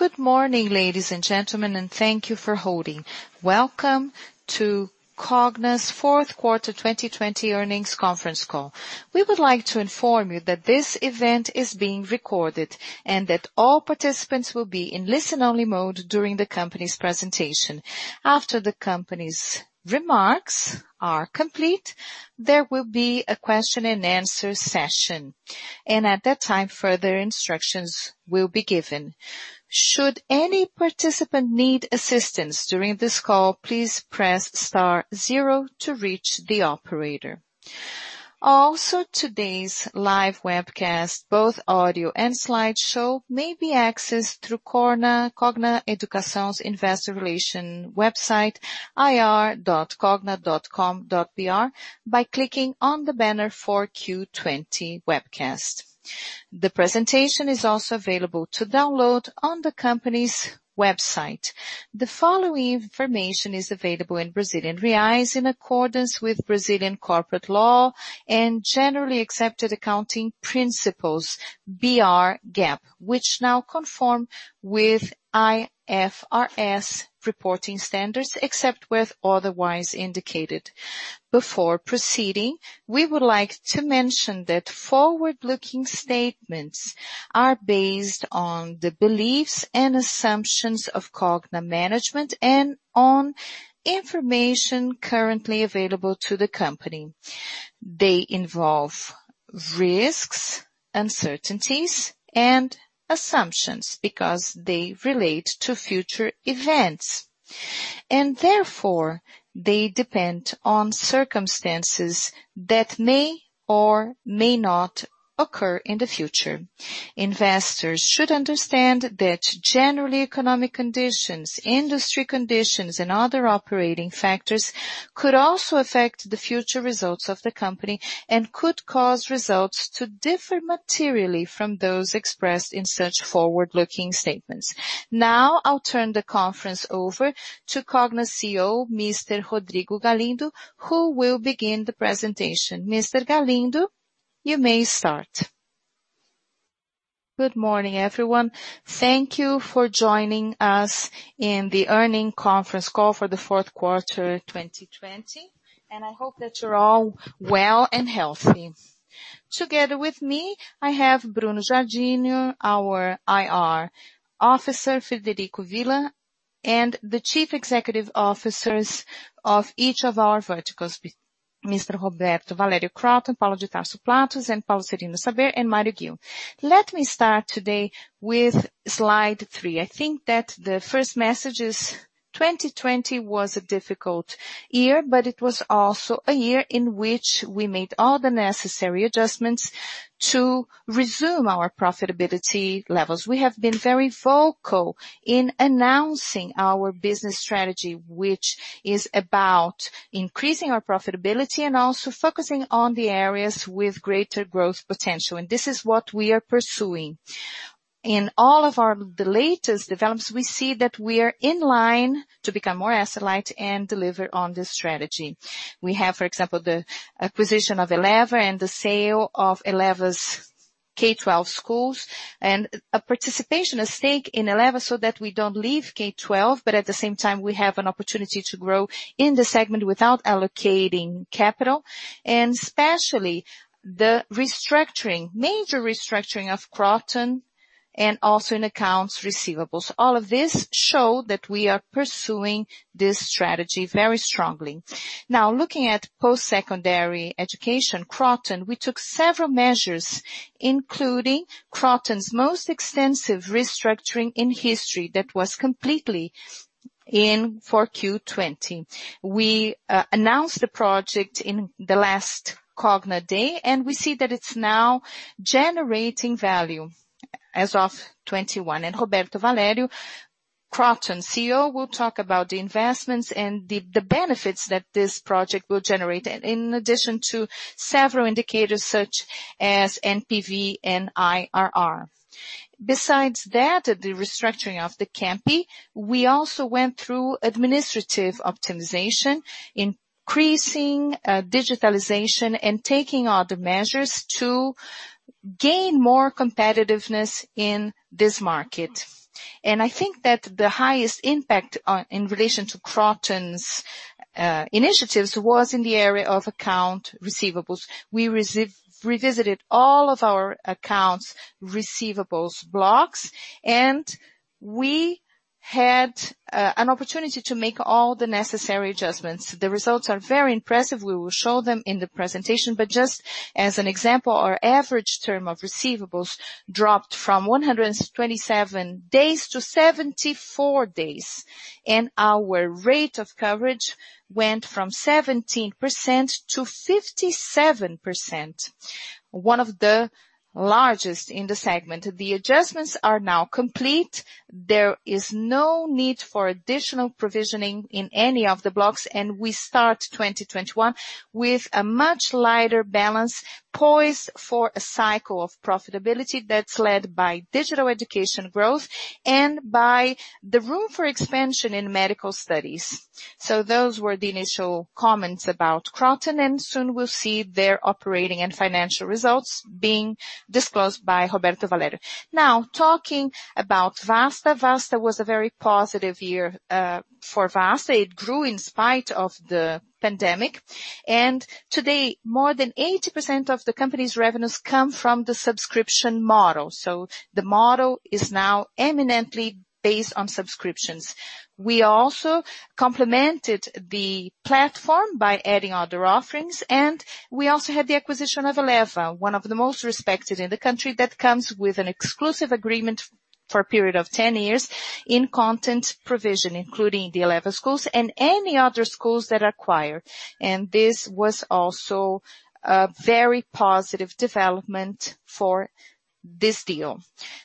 Good morning, ladies and gentlemen, and thank you for holding. Welcome to Cogna's fourth quarter 2020 earnings conference call. We would like to inform you that this event is being recorded, and that all participants will be in listen-only mode during the company's presentation. After the company's remarks are complete, there will be a question and answer session, and at that time, further instructions will be given. Should any participant need assistance during this call, please press star zero to reach the operator. Also, today's live webcast, both audio and slideshow, may be accessed through Cogna Educação investor relation website, ir.cogna.com.br by clicking on the banner 4Q 2020 webcast. The presentation is also available to download on the company's website. The following information is available in Brazilian reais in accordance with Brazilian corporate law and generally accepted accounting principles, BR GAAP, which now conform with IFRS reporting standards, except where otherwise indicated. Before proceeding, we would like to mention that forward-looking statements are based on the beliefs and assumptions of Cogna management and on information currently available to the company. They involve risks, uncertainties and assumptions because they relate to future events. Therefore, they depend on circumstances that may or may not occur in the future. Investors should understand that generally economic conditions, industry conditions, and other operating factors could also affect the future results of the company and could cause results to differ materially from those expressed in such forward-looking statements. Now, I'll turn the conference over to Cogna CEO, Mr. Rodrigo Galindo, who will begin the presentation. Mr. Galindo, you may start. Good morning, everyone. Good morning, everyone. Thank you for joining us in the earnings conference call for the fourth quarter 2020, and I hope that you're all well and healthy. Together with me, I have Bruno Giardino, our IR officer, Frederico Villa, and the chief executive officers of each of our verticals, Mr. Roberto Valério Kroton, Paulo de Tarso Platos, and Paulo Serino Saber, and Mario Ghio. Let me start today with slide three. I think that the first message is 2020 was a difficult year, but it was also a year in which we made all the necessary adjustments to resume our profitability levels. We have been very vocal in announcing our business strategy, which is about increasing our profitability and also focusing on the areas with greater growth potential. And this is what we are pursuing. In all of our latest developments, we see that we are in line to become more asset light and deliver on this strategy. We have, for example, the acquisition of Eleva and the sale of Eleva's K12 schools, and a participation, a stake in Eleva so that we don't leave K12, but at the same time we have an opportunity to grow in the segment without allocating capital. Especially the major restructuring of Kroton and also in accounts receivables. All of this show that we are pursuing this strategy very strongly. Now, looking at post-secondary education, Kroton, we took several measures, including Kroton's most extensive restructuring in history that was completely in 4Q 2020. We announced the project in the last Cogna Day, and we see that it's now generating value as of 2021. Roberto Valério, Kroton CEO, will talk about the investments and the benefits that this project will generate in addition to several indicators such as NPV and IRR. Besides that, the restructuring of the Campi, we also went through administrative optimization, increasing digitalization and taking all the measures to gain more competitiveness in this market. I think that the highest impact in relation to Kroton's initiatives was in the area of account receivables. We revisited all of our accounts receivables blocks, and we had an opportunity to make all the necessary adjustments. The results are very impressive. We will show them in the presentation, but just as an example, our average term of receivables dropped from 127 days to 74 days. Our rate of coverage went from 17% to 57%, one of the largest in the segment. The adjustments are now complete. There is no need for additional provisioning in any of the blocks, and we start 2021 with a much lighter balance poised for a cycle of profitability that's led by digital education growth and by the room for expansion in medical studies. Those were the initial comments about Kroton, and soon we'll see their operating and financial results being disclosed by Roberto Valério. Now, talking about Vasta. Vasta was a very positive year. For Vasta, it grew in spite of the pandemic. Today, more than 80% of the company's revenues come from the subscription model. The model is now eminently based on subscriptions. We also complemented the platform by adding other offerings, we also had the acquisition of Eleva, one of the most respected in the country that comes with an exclusive agreement for a period of 10 years in content provision, including the Eleva schools and any other schools that acquire. This was also a very positive development for this deal.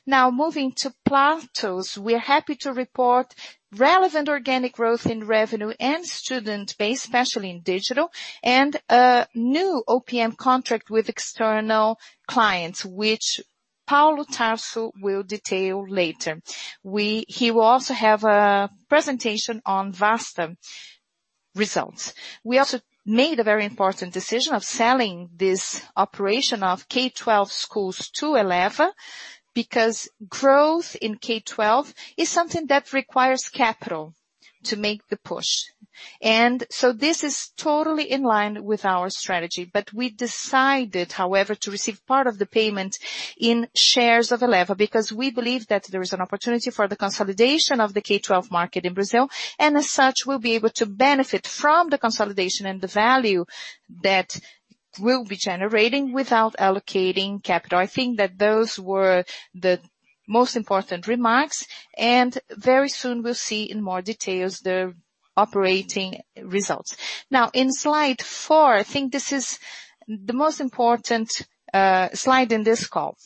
Now moving to Platos. We are happy to report relevant organic growth in revenue and student base, especially in digital, and a new OPM contract with external clients, which Paulo Tarso will detail later. He will also have a presentation on Vasta results. We also made a very important decision of selling this operation of K12 schools to Eleva, because growth in K12 is something that requires capital to make the push. This is totally in line with our strategy. We decided, however, to receive part of the payment in shares of Eleva, because we believe that there is an opportunity for the consolidation of the K12 market in Brazil, and as such, we'll be able to benefit from the consolidation and the value that we'll be generating without allocating capital. I think that those were the most important remarks, and very soon we'll see in more details the operating results. In slide four, I think this is the most important slide in this call.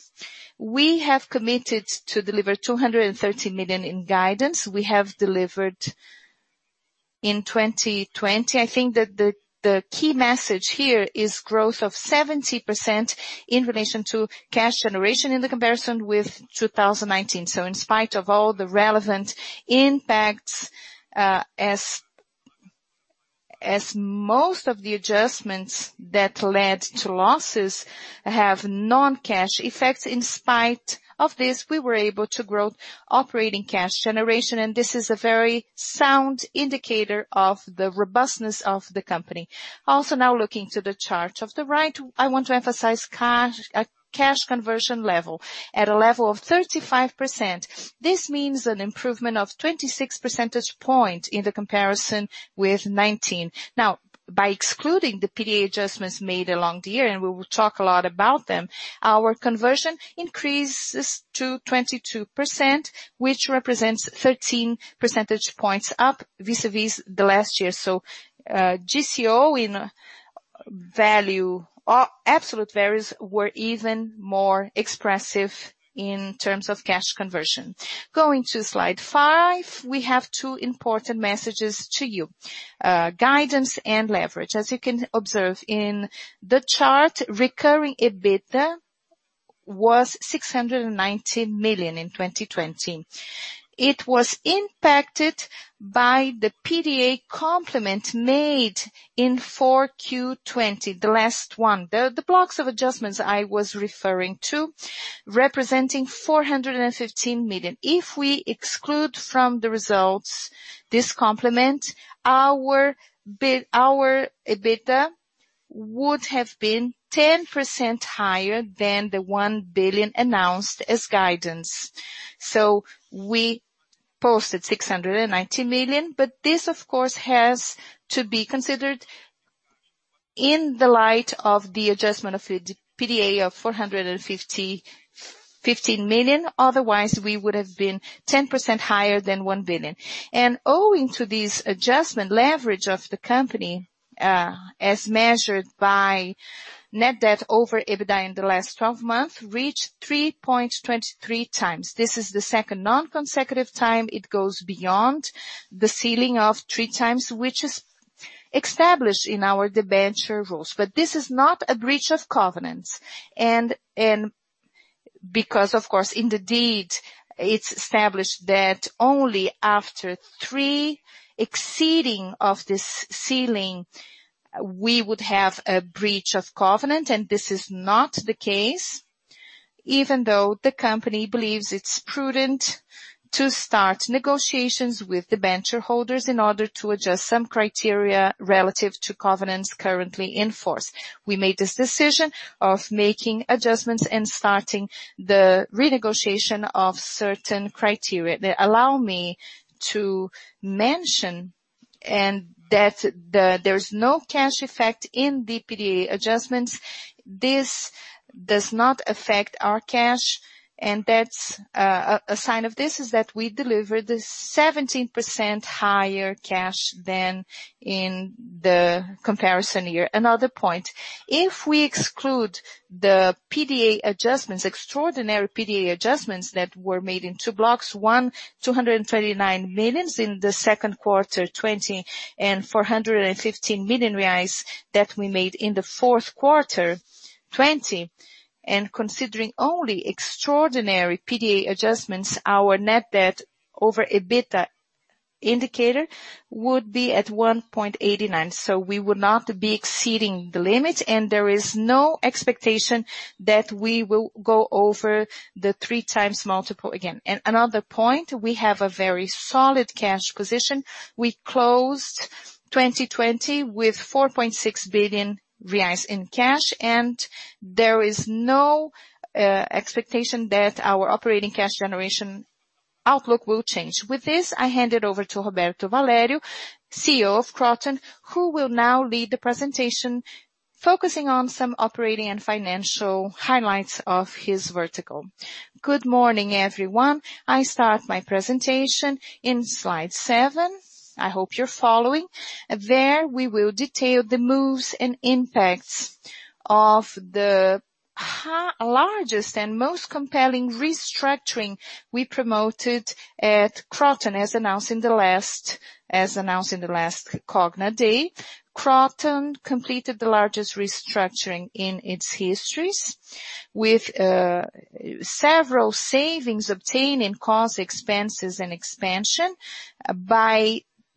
We have committed to deliver 230 million in guidance. We have delivered in 2020. I think that the key message here is growth of 70% in relation to cash generation in the comparison with 2019. In spite of all the relevant impacts, as most of the adjustments that led to losses have non-cash effects. In spite of this, we were able to grow operating cash generation, and this is a very sound indicator of the robustness of the company. Now looking to the chart of the right, I want to emphasize cash conversion level at a level of 35%. This means an improvement of 26 percentage point in the comparison with 2019. By excluding the PDA adjustments made along the year, and we will talk a lot about them, our conversion increases to 22%, which represents 13 percentage points up vis-a-vis the last year. GCO in absolute values were even more expressive in terms of cash conversion. Going to slide five. We have two important messages to you, guidance and leverage. As you can observe in the chart, recurring EBITDA was 690 million in 2020. It was impacted by the PDA complement made in 4Q 2020, the last one. The blocks of adjustments I was referring to, representing 415 million. If we exclude from the results this complement, our EBITDA would have been 10% higher than the 1 billion announced as guidance. We posted 690 million. This, of course, has to be considered in the light of the adjustment of the PDA of 415 million. Otherwise, we would have been 10% higher than 1 billion. Owing to this adjustment leverage of the company, as measured by net debt over EBITDA in the last 12 months, reached 3.23x. This is the second non-consecutive time it goes beyond the ceiling of 3x, which is established in our debenture rules. This is not a breach of covenants. Because, of course, in the deed, it's established that only after three exceeding of this ceiling, we would have a breach of covenant, and this is not the case, even though the company believes it's prudent to start negotiations with debenture holders in order to adjust some criteria relative to covenants currently in force. We made this decision of making adjustments and starting the renegotiation of certain criteria. Allow me to mention that there's no cash effect in the PDA adjustments. This does not affect our cash, and a sign of this is that we delivered a 17% higher cash than in the comparison year. Another point, if we exclude the extraordinary PDA adjustments that were made in two blocks. One, 239 million in Q2 2020, and 415 million reais that we made in the fourth quarter 2020. Considering only extraordinary PDA adjustments, our net debt over EBITDA indicator would be at 1.89x. We would not be exceeding the limit, and there is no expectation that we will go over the three times multiple again. Another point, we have a very solid cash position. We closed 2020 with 4.6 billion reais in cash, and there is no expectation that our operating cash generation outlook will change. With this, I hand it over to Roberto Valério, CEO of Kroton, who will now lead the presentation, focusing on some operating and financial highlights of his vertical. Good morning, everyone. I start my presentation in slide seven. I hope you're following. There we will detail the moves and impacts of the largest and most compelling restructuring we promoted at Kroton, as announced in the last Cogna Day. Kroton completed the largest restructuring in its history. With several savings obtained in cost, expenses and expansion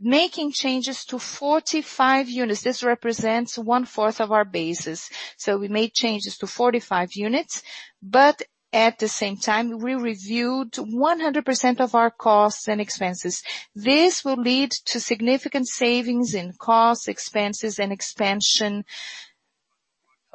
by making changes to 45 units. This represents 1/4 of our bases. We made changes to 45 units, but at the same time, we reviewed 100% of our costs and expenses. This will lead to significant savings in costs, expenses, and expansion,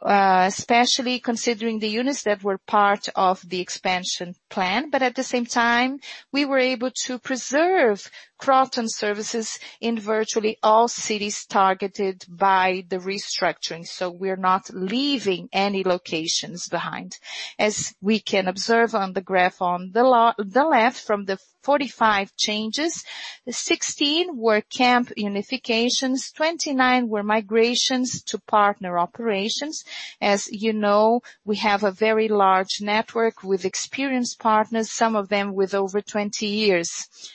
especially considering the units that were part of the expansion plan. At the same time, we were able to preserve Kroton services in virtually all cities targeted by the restructuring. We're not leaving any locations behind. As we can observe on the graph on the left, from the 45 changes, 16 were Campi unifications, 29 were migrations to partner operations. As you know, we have a very large network with experienced partners, some of them with over 20 years of collaboration.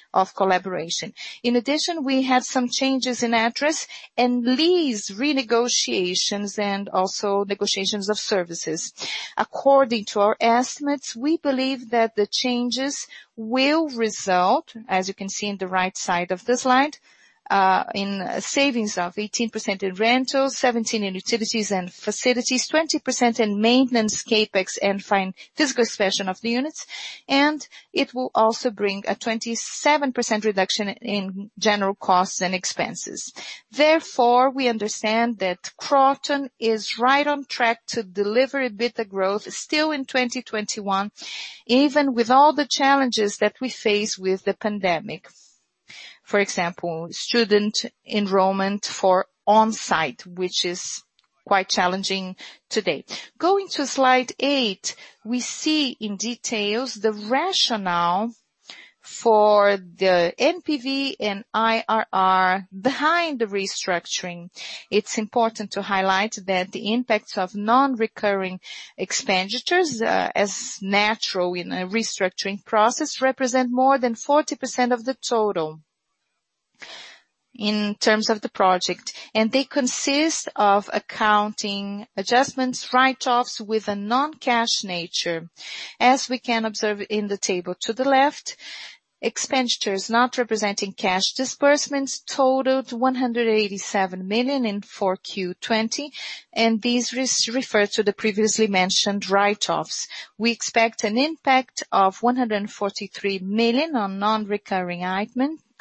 In addition, we had some changes in address and lease renegotiations, and also negotiations of services. According to our estimates, we believe that the changes will result, as you can see in the right side of the slide, in savings of 18% in rentals, 17% in utilities and facilities, 20% in maintenance CapEx and physical expansion of the units. It will also bring a 27% reduction in general costs and expenses. Therefore, we understand that Kroton is right on track to deliver a bit of growth still in 2021, even with all the challenges that we face with the pandemic. For example, student enrollment for on-site, which is quite challenging today. Going to slide eight, we see in details the rationale for the NPV and IRR behind the restructuring. It's important to highlight that the impact of non-recurring expenditures, as natural in a restructuring process, represent more than 40% of the total in terms of the project, and they consist of accounting adjustments, write-offs with a non-cash nature. As we can observe in the table to the left, expenditures not representing cash disbursements totaled 187 million in 4Q 2020, and these refer to the previously mentioned write-offs. We expect an impact of 143 million on non-recurring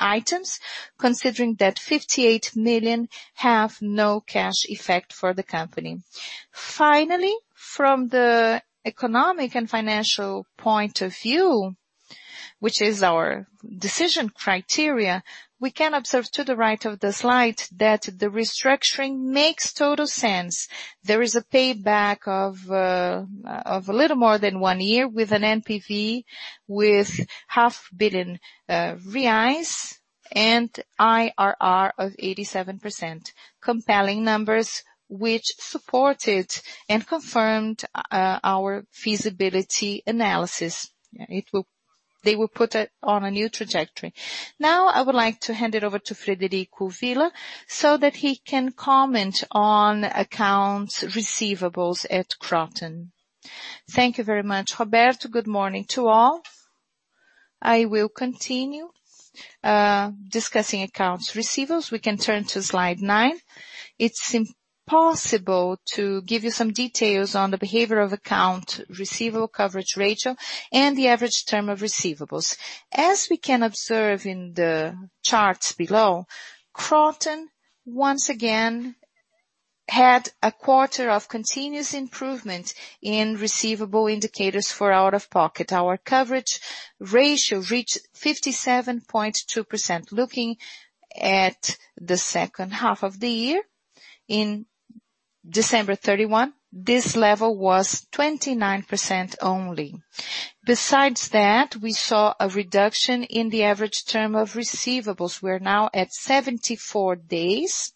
items, considering that 58 million have no cash effect for the company. Finally, from the economic and financial point of view, which is our decision criteria, we can observe to the right of the slide that the restructuring makes total sense. There is a payback of a little more than one year with an NPV with 500 million reais and IRR of 87%. Compelling numbers, which supported and confirmed our feasibility analysis. They will put it on a new trajectory. I would like to hand it over to Frederico Villa so that he can comment on accounts receivables at Kroton. Thank you very much, Roberto. Good morning to all. I will continue discussing accounts receivables. We can turn to slide nine. It's important to give you some details on the behavior of account receivable coverage ratio and the average term of receivables. As we can observe in the charts below, Kroton, once again, had a quarter of continuous improvement in receivable indicators for out-of-pocket. Our coverage ratio reached 57.2%. Looking at the second half of the year, in December 31, this level was 29% only. We saw a reduction in the average term of receivables. We're now at 74 days.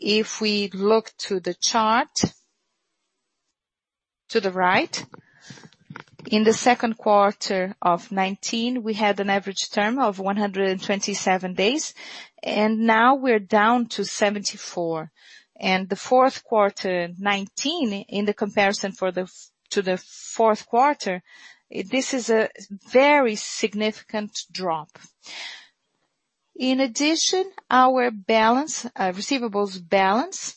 If we look to the chart, to the right, in the second quarter of 2019, we had an average term of 127 days. Now we're down to 74 days. The fourth quarter 2019, in the comparison to the fourth quarter, this is a very significant drop. In addition, our receivables balance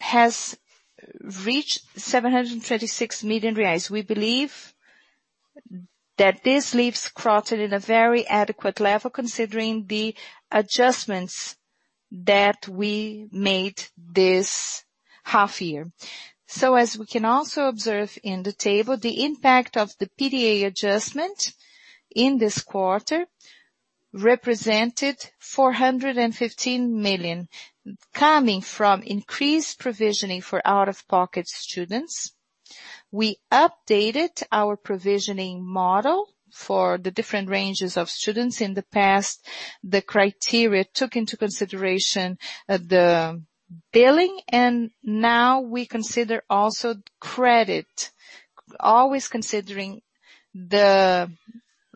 has reached 736 million reais. We believe that this leaves Kroton in a very adequate level, considering the adjustments that we made this half year. As we can also observe in the table, the impact of the PDA adjustment in this quarter represented 415 million, coming from increased provisioning for out-of-pocket students. We updated our provisioning model for the different ranges of students. In the past, the criteria took into consideration the billing, and now we consider also credit, always considering the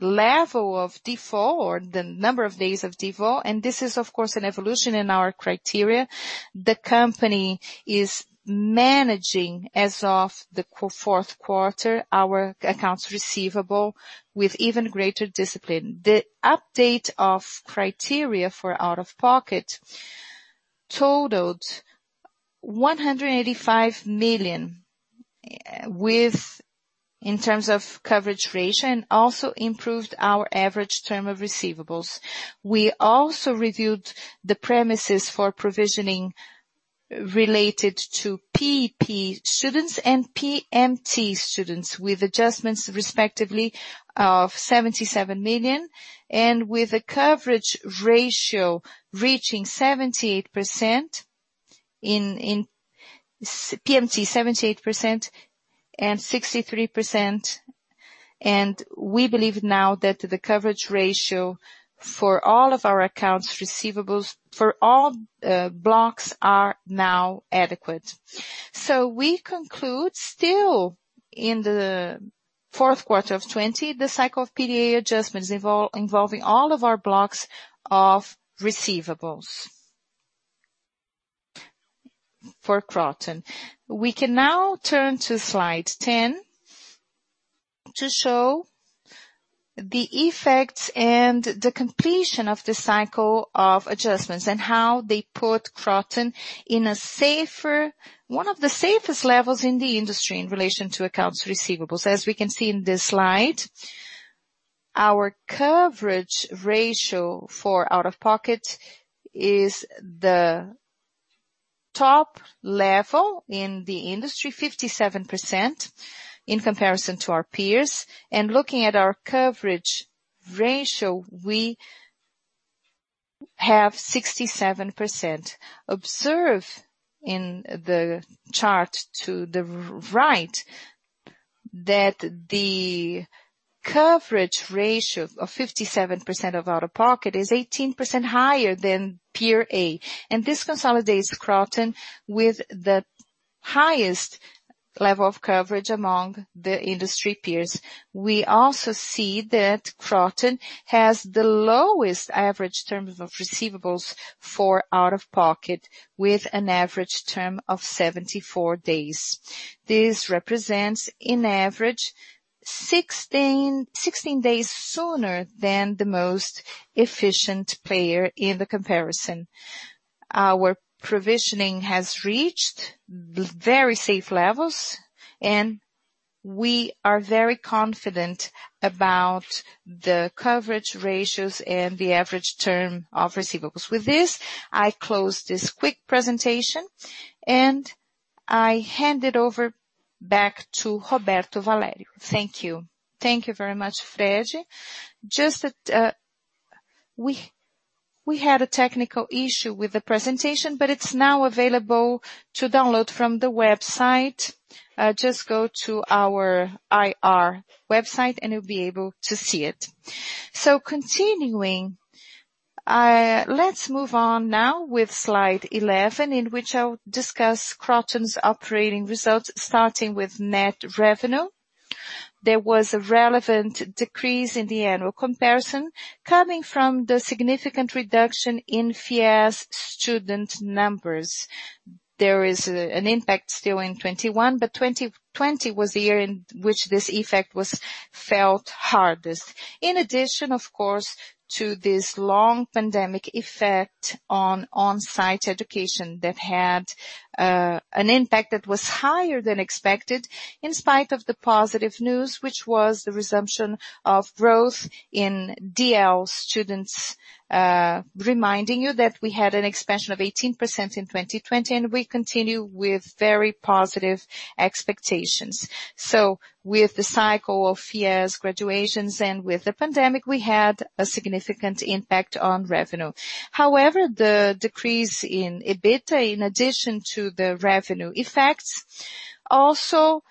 level of default or the number of days of default, and this is of course an evolution in our criteria. The company is managing, as of the fourth quarter, our accounts receivable with even greater discipline. The update of criteria for out-of-pocket totaled 185 million in terms of coverage ratio, and also improved our average term of receivables. We also reviewed the premises for provisioning related to PEP students and PMT students with adjustments respectively of 77 million and with a coverage ratio reaching 78% in PMT and 63%, and we believe now that the coverage ratio for all of our accounts receivables for all blocks are now adequate. We conclude still in the fourth quarter of 2020, the cycle of PDA adjustments involving all of our blocks of receivables for Kroton. We can now turn to slide 10 to show the effects and the completion of the cycle of adjustments and how they put Kroton in one of the safest levels in the industry in relation to accounts receivables. As we can see in this slide, our coverage ratio for out-of-pocket is the top level in the industry, 57% in comparison to our peers. Looking at our coverage ratio, we have 67%. Observe in the chart to the right that the coverage ratio of 57% of out-of-pocket is 18% higher than peer A. This consolidates Kroton with the highest level of coverage among the industry peers. We also see that Kroton has the lowest average terms of receivables for out-of-pocket with an average term of 74 days. This represents an average 16 days sooner than the most efficient player in the comparison. Our provisioning has reached very safe levels, and we are very confident about the coverage ratios and the average term of receivables. With this, I close this quick presentation and I hand it over back to Roberto Valério. Thank you. Thank you very much, Fred. We had a technical issue with the presentation, but it's now available to download from the website. Just go to our IR website and you'll be able to see it. Continuing. Let's move on now with slide 11, in which I will discuss Kroton's operating results, starting with net revenue. There was a relevant decrease in the annual comparison coming from the significant reduction in FIES student numbers. There is an impact still in 2021, but 2020 was the year in which this effect was felt hardest. In addition, of course, to this long pandemic effect on onsite education that had an impact that was higher than expected in spite of the positive news, which was the resumption of growth in DL students. Reminding you that we had an expansion of 18% in 2020, and we continue with very positive expectations. With the cycle of FIES graduations and with the pandemic, we had a significant impact on revenue. However, the decrease in EBITDA, in addition to the revenue effects, also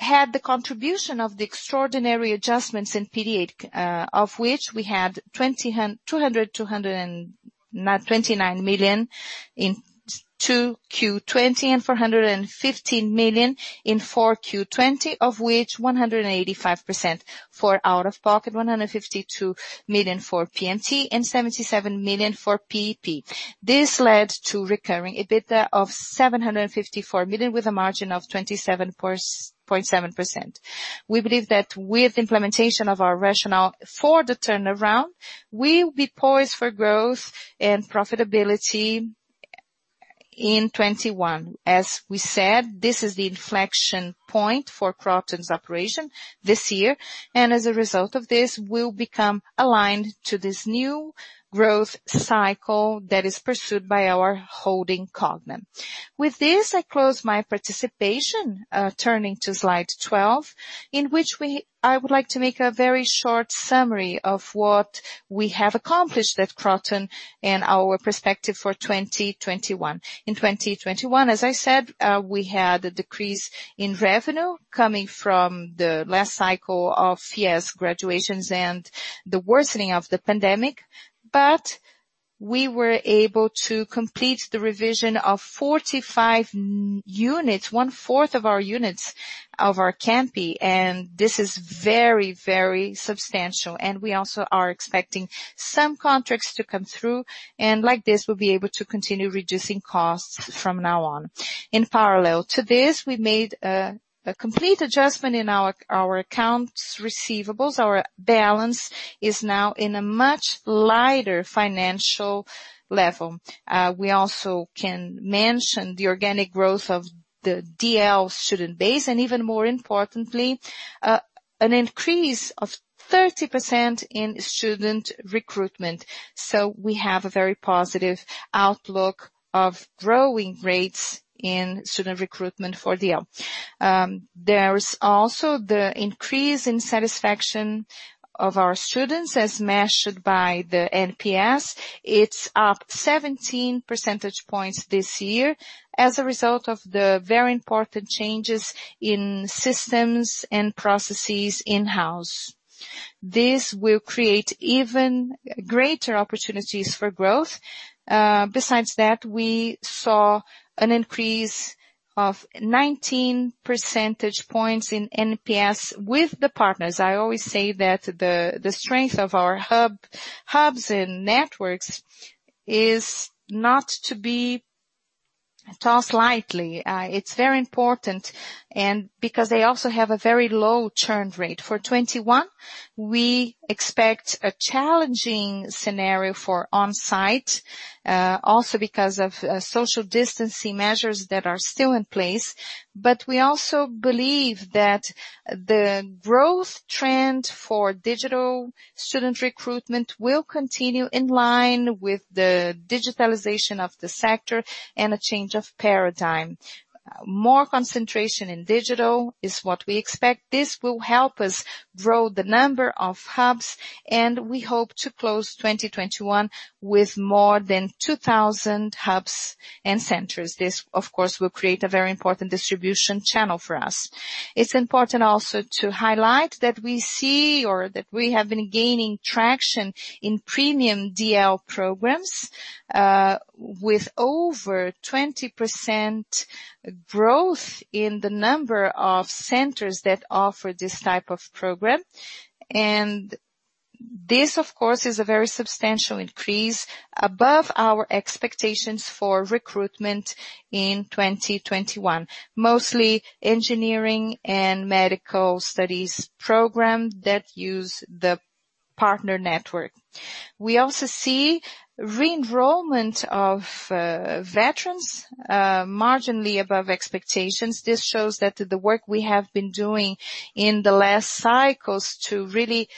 had the contribution of the extraordinary adjustments in PDA of which we had 229 million in 2Q 2020 and 415 million in 4Q 2020, of which 185% for out-of-pocket, 152 million for PMT, and 77 million for PEP. This led to recurring EBITDA of 754 million with a margin of 27.7%. We believe that with implementation of our rationale for the turnaround, we will be poised for growth and profitability. In 2021, as we said, this is the inflection point for Kroton's operation this year, and as a result of this, we'll become aligned to this new growth cycle that is pursued by our holding company. With this, I close my participation. Turning to slide 12, in which I would like to make a very short summary of what we have accomplished at Kroton and our perspective for 2021. In 2021, as I said, we had a decrease in revenue coming from the last cycle of FIES graduations and the worsening of the pandemic. We were able to complete the revision of 45 units, 1/4 of our units of our Campi, and this is very substantial. We also are expecting some contracts to come through, and like this, we'll be able to continue reducing costs from now on. In parallel to this, we made a complete adjustment in our accounts receivables. Our balance is now in a much lighter financial level. We also can mention the organic growth of the DL student base, and even more importantly, an increase of 30% in student recruitment. We have a very positive outlook of growing rates in student recruitment for DL. There is also the increase in satisfaction of our students as measured by the NPS. It's up 17 percentage points this year as a result of the very important changes in systems and processes in-house. This will create even greater opportunities for growth. Besides that, we saw an increase of 19 percentage points in NPS with the partners. I always say that the strength of our hubs and networks is not to be tossed lightly. It's very important because they also have a very low churn rate. For 2021, we expect a challenging scenario for on-site, also because of social distancing measures that are still in place. We also believe that the growth trend for digital student recruitment will continue in line with the digitalization of the sector and a change of paradigm. More concentration in digital is what we expect. This will help us grow the number of hubs, we hope to close 2021 with more than 2,000 hubs and centers. This, of course, will create a very important distribution channel for us. It's important also to highlight that we see or that we have been gaining traction in premium DL programs, with over 20% growth in the number of centers that offer this type of program. This, of course, is a very substantial increase above our expectations for recruitment in 2021. Mostly engineering and medical studies program that use the partner network. We also see re-enrollment of veterans marginally above expectations. This shows that the work we have been doing in the last cycles to really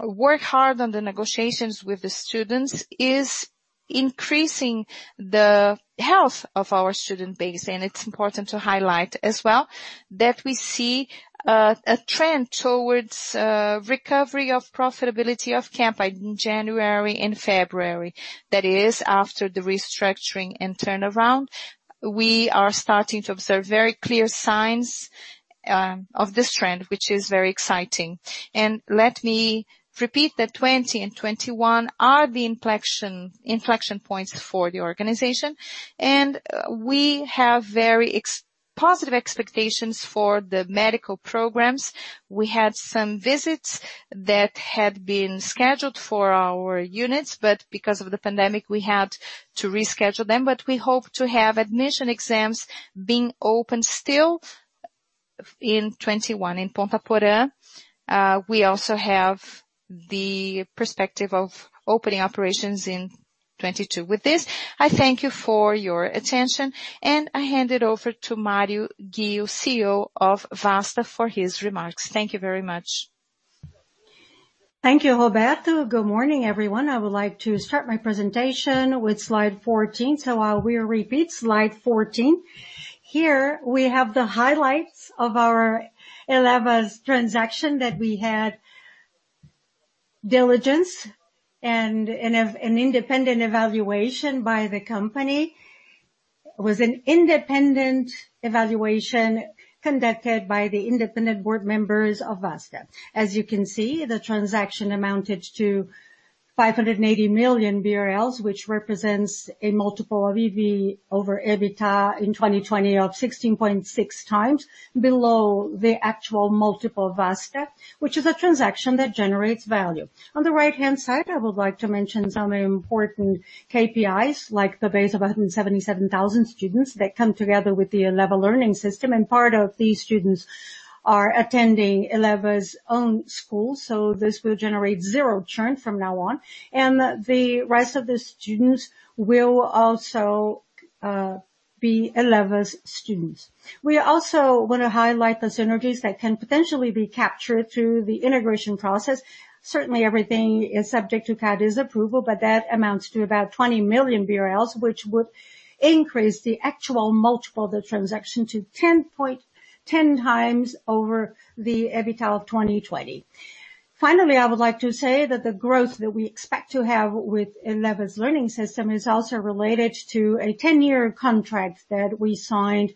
work hard on the negotiations with the students is increasing the health of our student base. It's important to highlight as well that we see a trend towards recovery of profitability of Campi in January and February. That is after the restructuring and turnaround. We are starting to observe very clear signs of this trend, which is very exciting. Let me repeat that 2020 and 2021 are the inflection points for the organization, and we have very positive expectations for the medical programs. We had some visits that had been scheduled for our units, but because of the pandemic, we had to reschedule them. We hope to have admission exams being open still in 2021 in Ponta Porã. We also have the perspective of opening operations in 2022. With this, I thank you for your attention, and I hand it over to Mario Ghio, CEO of Vasta, for his remarks. Thank you very much. Thank you, Roberto. Good morning, everyone. I would like to start my presentation with slide 14. I will repeat slide 14. Here, we have the highlights of our Eleva's transaction that we had diligence and an independent evaluation by the company. It was an independent evaluation conducted by the independent board members of Vasta. As you can see, the transaction amounted to 580 million BRL, which represents a multiple of EV over EBITDA in 2020 of 16.6x below the actual multiple Vasta, which is a transaction that generates value. On the right-hand side, I would like to mention some important KPIs, like the base of 177,000 students that come together with the Eleva learning system, and part of these students are attending Eleva's own schools, so this will generate zero churn from now on, and the rest of the students will also be Eleva's students. We also want to highlight the synergies that can potentially be captured through the integration process. Certainly, everything is subject to CADE's approval, that amounts to about 20 million BRL, which would increase the actual multiple of the transaction to 10x over the EBITDA of 2020. Finally, I would like to say that the growth that we expect to have with Eleva's learning system is also related to a 10-year contract that we signed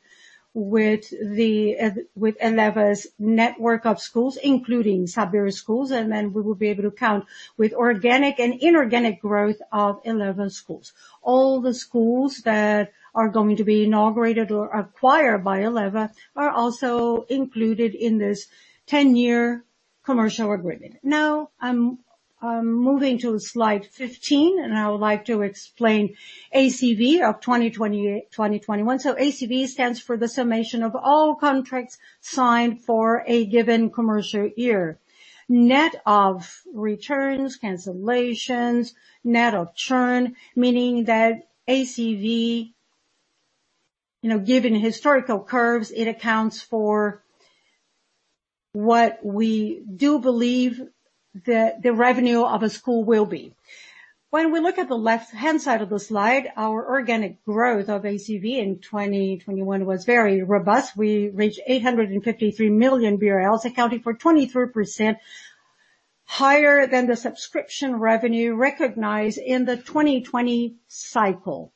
with Eleva's network of schools, including Saber schools, and we will be able to count with organic and inorganic growth of Eleva schools. All the schools that are going to be inaugurated or acquired by Eleva are also included in this 10-year commercial agreement. I'm moving to slide 15, I would like to explain ACV of 2021. ACV stands for the summation of all contracts signed for a given commercial year. Net of returns, cancellations, net of churn, meaning that ACV, given historical curves, it accounts for what we do believe that the revenue of a school will be. When we look at the left-hand side of the slide, our organic growth of ACV in 2021 was very robust. We reached 853 million BRL accounting for 23% higher than the subscription revenue recognized in the 2020 cycle.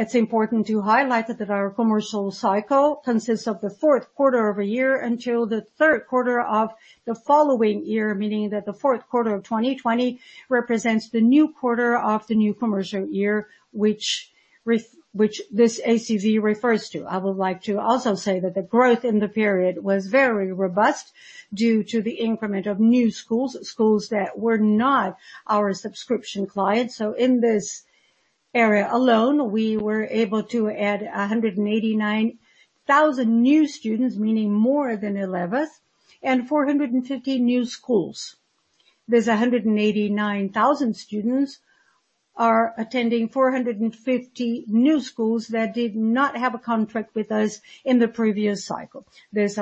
It's important to highlight that our commercial cycle consists of the fourth quarter of a year until the third quarter of the following year, meaning that the fourth quarter of 2020 represents the new quarter of the new commercial year, which this ACV refers to. I would like to also say that the growth in the period was very robust due to the increment of new schools that were not our subscription clients. In this area alone, we were able to add 189,000 new students, meaning more than Eleva's, and 450 new schools. These 189,000 students are attending 450 new schools that did not have a contract with us in the previous cycle. This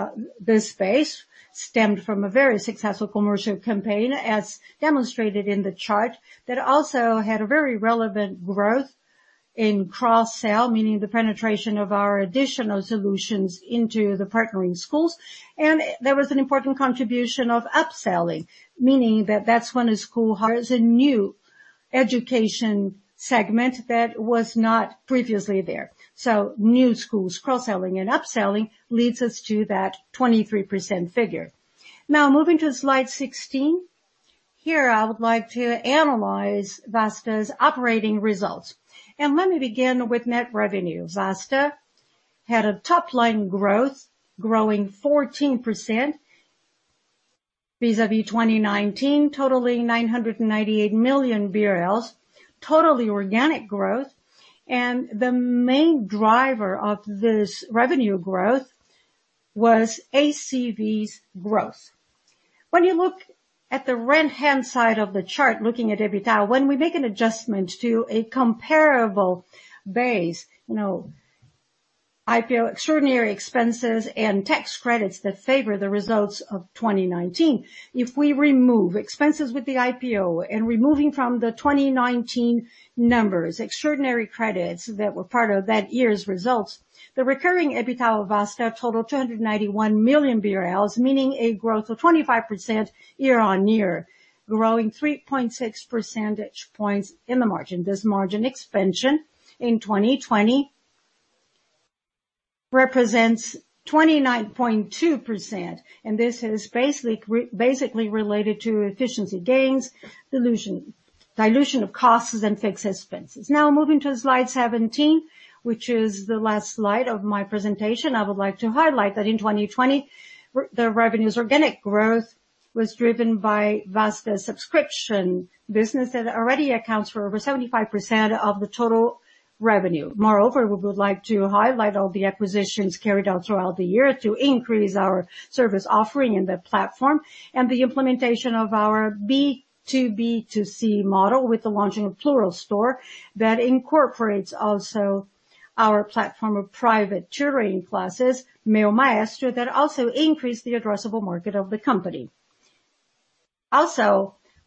space stemmed from a very successful commercial campaign as demonstrated in the chart, that also had a very relevant growth in cross-sell, meaning the penetration of our additional solutions into the partnering schools. There was an important contribution of upselling, meaning that that's when a school hires a new education segment that was not previously there. New schools cross-selling and upselling leads us to that 23% figure. Moving to slide 16. Here, I would like to analyze Vasta's operating results. Let me begin with net revenue. Vasta had a top-line growth growing 14% vis-à-vis 2019, totaling 998 million BRL, totally organic growth. The main driver of this revenue growth was ACV's growth. When you look at the right-hand side of the chart, looking at EBITDA, when we make an adjustment to a comparable base, IPO extraordinary expenses and tax credits that favor the results of 2019. If we remove expenses with the IPO and removing from the 2019 numbers, extraordinary credits that were part of that year's results, the recurring EBITDA Vasta totaled 291 million BRL, meaning a growth of 25% year-over-year, growing 3.6 percentage points in the margin. This margin expansion in 2020 represents 29.2%, this is basically related to efficiency gains, dilution of costs, and fixed expenses. Moving to slide 17, which is the last slide of my presentation. I would like to highlight that in 2020, the revenue's organic growth was driven by Vasta's subscription business that already accounts for over 75% of the total revenue. We would like to highlight all the acquisitions carried out throughout the year to increase our service offering in the platform and the implementation of our B2B2C model with the launching of Plural Store that incorporates also our platform of private tutoring classes, Meu Maestro, that also increased the addressable market of the company.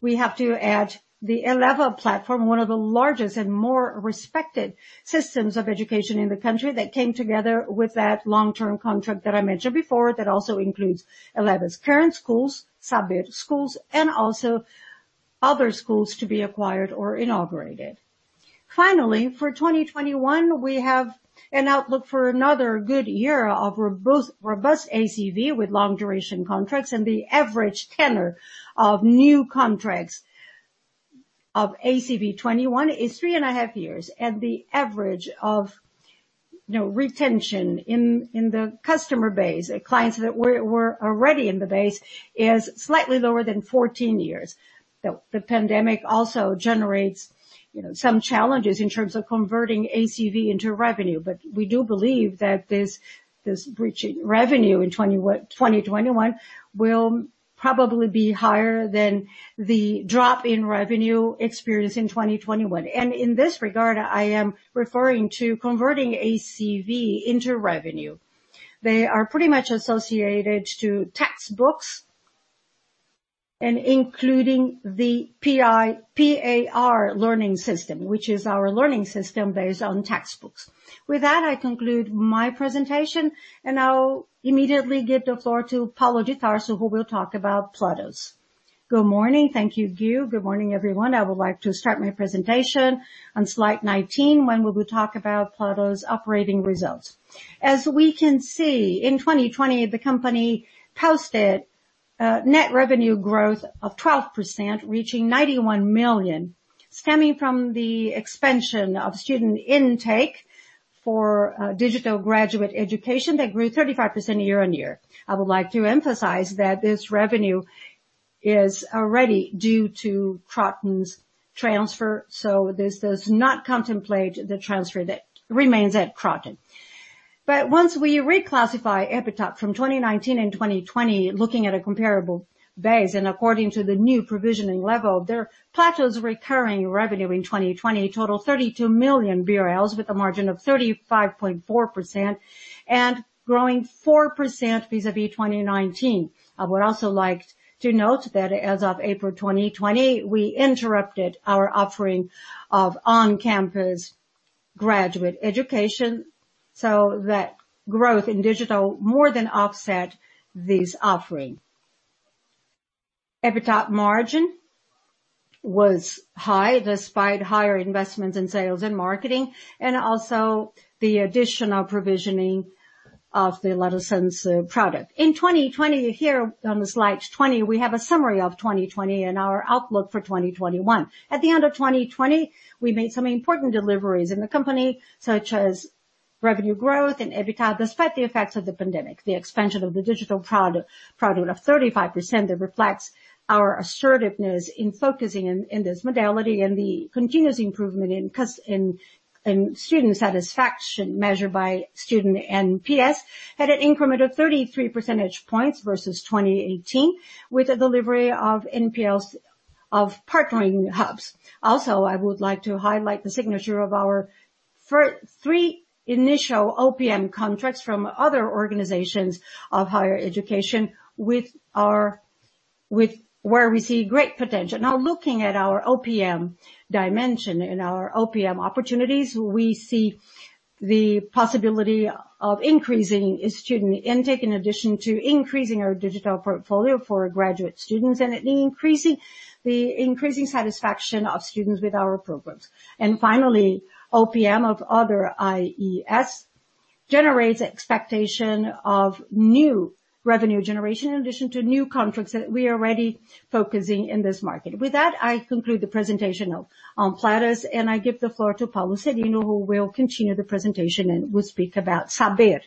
We have to add the Eleva platform, one of the largest and more respected systems of education in the country that came together with that long-term contract that I mentioned before, that also includes Eleva's current schools, Saber schools, and also other schools to be acquired or inaugurated. For 2021, we have an outlook for another good year of robust ACV with long-duration contracts and the average tenor of new contracts of ACV 2021 is three and a half years, and the average retention in the customer base, clients that were already in the base is slightly lower than 14 years. The pandemic also generates some challenges in terms of converting ACV into revenue. We do believe that this reaching revenue in 2021 will probably be higher than the drop in revenue experienced in 2021. In this regard, I am referring to converting ACV into revenue. They are pretty much associated to textbooks and including the PAR learning system, which is our learning system based on textbooks. With that, I conclude my presentation, and I will immediately give the floor to Paulo de Tarso, who will talk about Platos. Good morning. Thank you, Ghio. Good morning, everyone. I would like to start my presentation on slide 19, when we will talk about Platos' operating results. As we can see, in 2020, the company posted net revenue growth of 12%, reaching 91 million, stemming from the expansion of student intake for digital graduate education that grew 35% year-on-year. I would like to emphasize that this revenue is already due to Kroton's transfer. This does not contemplate the transfer that remains at Kroton. Once we reclassify EBITDA from 2019 and 2020, looking at a comparable base and according to the new provisioning level, Platos' recurring revenue in 2020 totaled 32 million BRL with a margin of 35.4% and growing 4% vis-à-vis 2019. I would also like to note that as of April 2020, we interrupted our offering of on-campus graduate education. That growth in digital more than offset this offering. EBITDA margin was high, despite higher investments in sales and marketing, and also the additional provisioning of the Lato Sensu product. In 2020, here on slide 20, we have a summary of 2020 and our outlook for 2021. At the end of 2020, we made some important deliveries in the company, such as revenue growth and EBITDA, despite the effects of the pandemic. The expansion of the digital product of 35%, that reflects our assertiveness in focusing in this modality and the continuous improvement in student satisfaction measured by student NPS at an increment of 33 percentage points versus 2018 with the delivery of NPS of partnering hubs. Also, I would like to highlight the signature of our three initial OPM contracts from other organizations of higher education where we see great potential. Now, looking at our OPM dimension and our OPM opportunities, we see the possibility of increasing student intake in addition to increasing our digital portfolio for graduate students and the increasing satisfaction of students with our programs. Finally, OPM of other IES generates expectation of new revenue generation in addition to new contracts that we are already focusing in this market. With that, I conclude the presentation on Platos, and I give the floor to Paulo Serino, who will continue the presentation and will speak about Saber.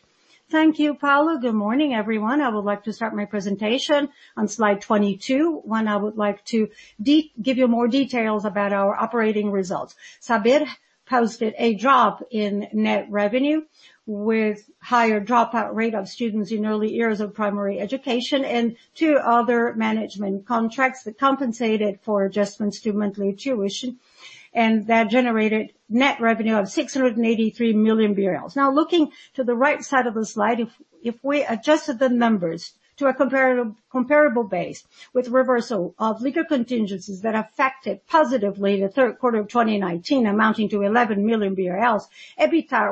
Thank you, Paulo. Good morning, everyone. I would like to start my presentation on slide 22, when I would like to give you more details about our operating results. Saber posted a drop in net revenue with higher dropout rate of students in early years of primary education and two other management contracts that compensated for adjustments to monthly tuition, and that generated net revenue of 683 million BRL. Looking to the right side of the slide, if we adjusted the numbers to a comparable base with reversal of legal contingencies that affected positively the third quarter of 2019 amounting to 11 million BRL,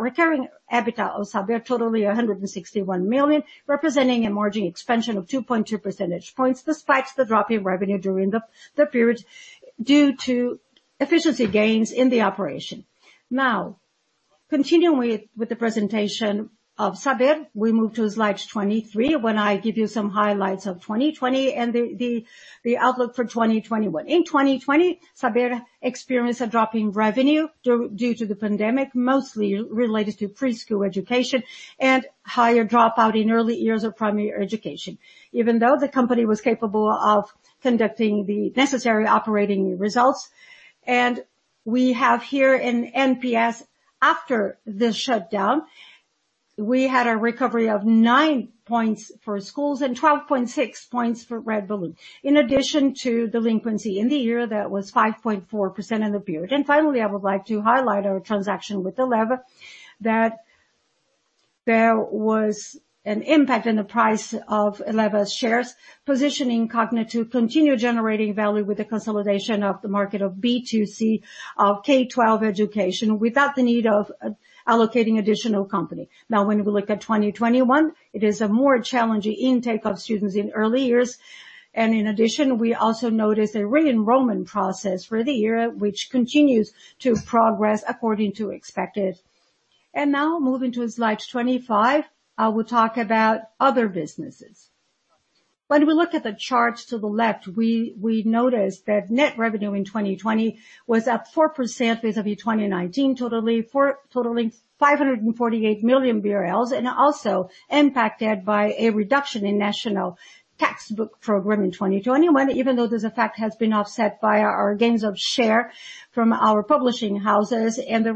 recurring EBITDA of Saber totaling 161 million, representing a margin expansion of 2.2 percentage points despite the drop in revenue during the period due to efficiency gains in the operation. Continuing with the presentation of Saber, we move to slide 23 when I give you some highlights of 2020 and the outlook for 2021. In 2020, Saber experienced a drop in revenue due to the pandemic, mostly related to preschool education and higher dropout in early years of primary education. Even though the company was capable of conducting the necessary operating results. We have here an NPS after the shutdown. We had a recovery of nine points for schools and 12.6 points for Red Balloon. In addition to delinquency in the year, that was 5.4% in the period. Finally, I would like to highlight our transaction with Eleva, that there was an impact in the price of Eleva's shares, positioning Cogna to continue generating value with the consolidation of the market of B2C of K12 education without the need of allocating additional comp. Now when we look at 2021, it is a more challenging intake of students in early years. In addition, we also notice a re-enrollment process for the year, which continues to progress according to expected. Now, moving to slide 25, I will talk about other businesses. When we look at the chart to the left, we notice that net revenue in 2020 was up 4% vis-à-vis 2019, totaling 548 million BRL, and also impacted by a reduction in National Textbook Program in 2021, even though this effect has been offset by our gains of share from our publishing houses and the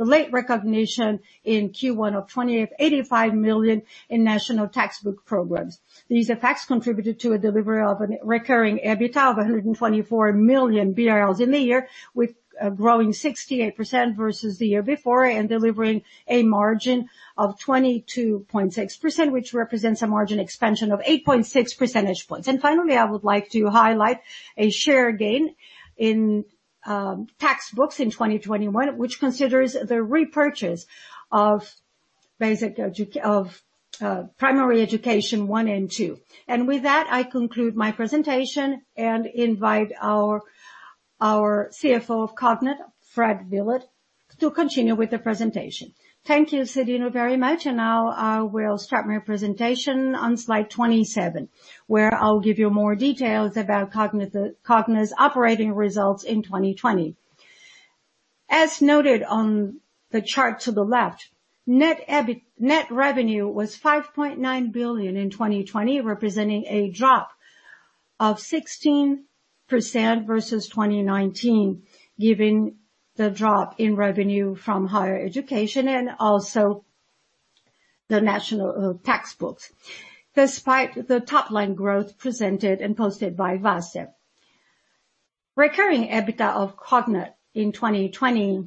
late recognition in Q1 of 2020 of 85 million in National Textbook Programs. These effects contributed to a delivery of a recurring EBITDA of 124 million BRL in the year, with growing 68% versus the year before and delivering a margin of 22.6%, which represents a margin expansion of 8.6 percentage points. Finally, I would like to highlight a share gain in textbooks in 2021, which considers the repurchase of Primary Education 1 and 2. With that, I conclude my presentation and invite our CFO of Cogna, Fred Villa, to continue with the presentation. Thank you, Serino, very much. Now, I will start my presentation on slide 27, where I'll give you more details about Cogna's operating results in 2020. As noted on the chart to the left, net revenue was 5.9 billion in 2020, representing a drop of 16% versus 2019, giving the drop in revenue from higher education and also the national textbooks, despite the top-line growth presented and posted by Vasta. Recurring EBITDA of Cogna in 2020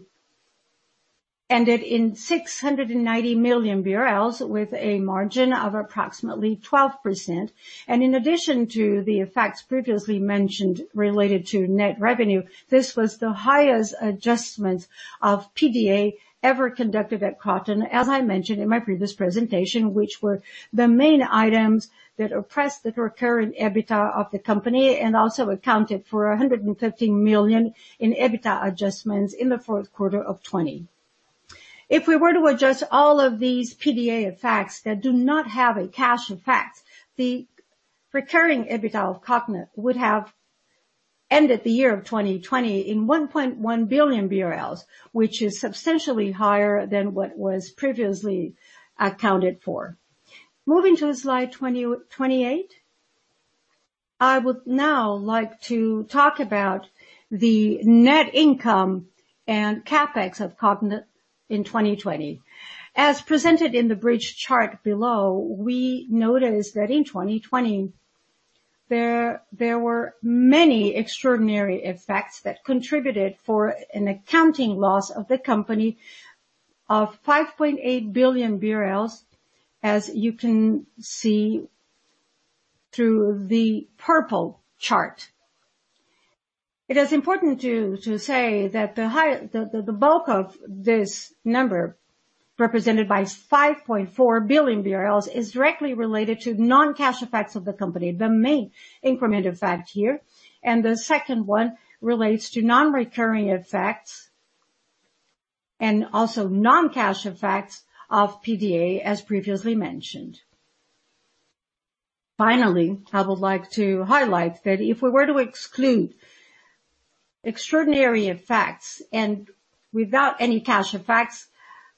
ended in 690 million BRL with a margin of approximately 12%. In addition to the effects previously mentioned related to net revenue, this was the highest adjustment of PDA ever conducted at Kroton. As I mentioned in my previous presentation, which were the main items that oppressed the recurring EBITDA of the company and also accounted for 115 million in EBITDA adjustments in the fourth quarter 2020. If we were to adjust all of these PDA effects that do not have a cash effect, the recurring EBITDA of Cogna would have ended the year of 2020 in 1.1 billion BRL, which is substantially higher than what was previously accounted for. Moving to slide 28. I would now like to talk about the net income and CapEx of Cogna in 2020. As presented in the bridge chart below, we notice that in 2020, there were many extraordinary effects that contributed for an accounting loss of the company of 5.8 billion BRL, as you can see through the purple chart. It is important to say that the bulk of this number, represented by 5.4 billion BRL, is directly related to non-cash effects of the company, the main increment effect here, and the second one relates to non-recurring effects and also non-cash effects of PDA as previously mentioned. Finally, I would like to highlight that if we were to exclude extraordinary effects and without any cash effects,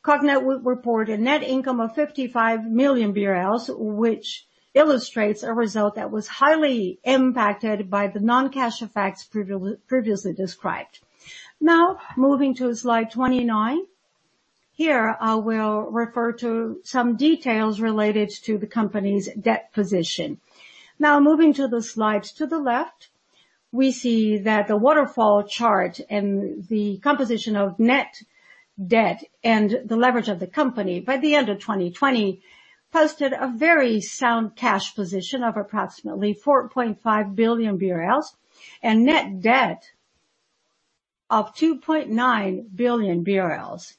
Cogna would report a net income of 55 million BRL, which illustrates a result that was highly impacted by the non-cash effects previously described. Now, moving to slide 29. Here, I will refer to some details related to the company's debt position. Now, moving to the slides to the left, we see that the waterfall chart and the composition of net debt and the leverage of the company by the end of 2020 posted a very sound cash position of approximately 4.5 billion BRL and net debt of 2.9 billion BRL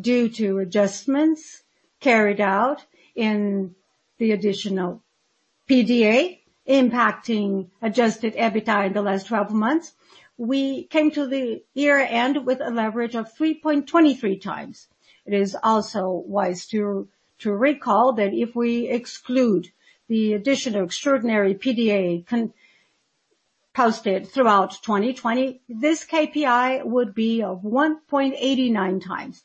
due to adjustments carried out in the additional PDA impacting adjusted EBITDA in the last 12 months. We came to the year-end with a leverage of 3.23x. It is also wise to recall that if we exclude the additional extraordinary PDA posted throughout 2020, this KPI would be of 1.89x.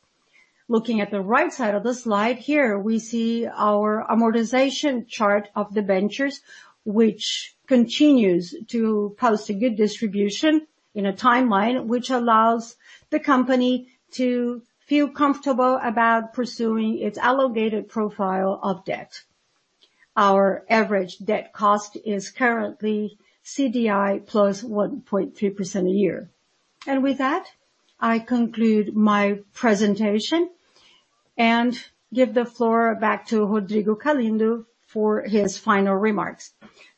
Looking at the right side of the slide here, we see our amortization chart of the ventures, which continues to post a good distribution in a timeline, which allows the company to feel comfortable about pursuing its allocated profile of debt. Our average debt cost is currently CDI +1.3% a year. I conclude my presentation and give the floor back to Rodrigo Galindo for his final remarks.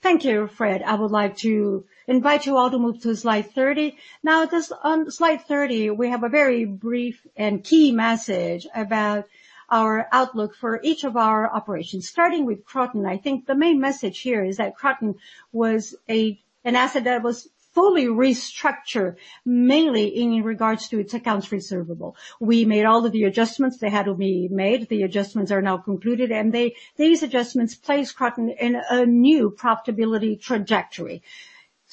Thank you, Fred. I would like to invite you all to move to slide 30. Now, on slide 30, we have a very brief and key message about our outlook for each of our operations. Starting with Kroton, I think the main message here is that Kroton was an asset that was fully restructured, mainly in regards to its accounts receivable. We made all of the adjustments that had to be made. The adjustments are now concluded, and these adjustments place Kroton in a new profitability trajectory.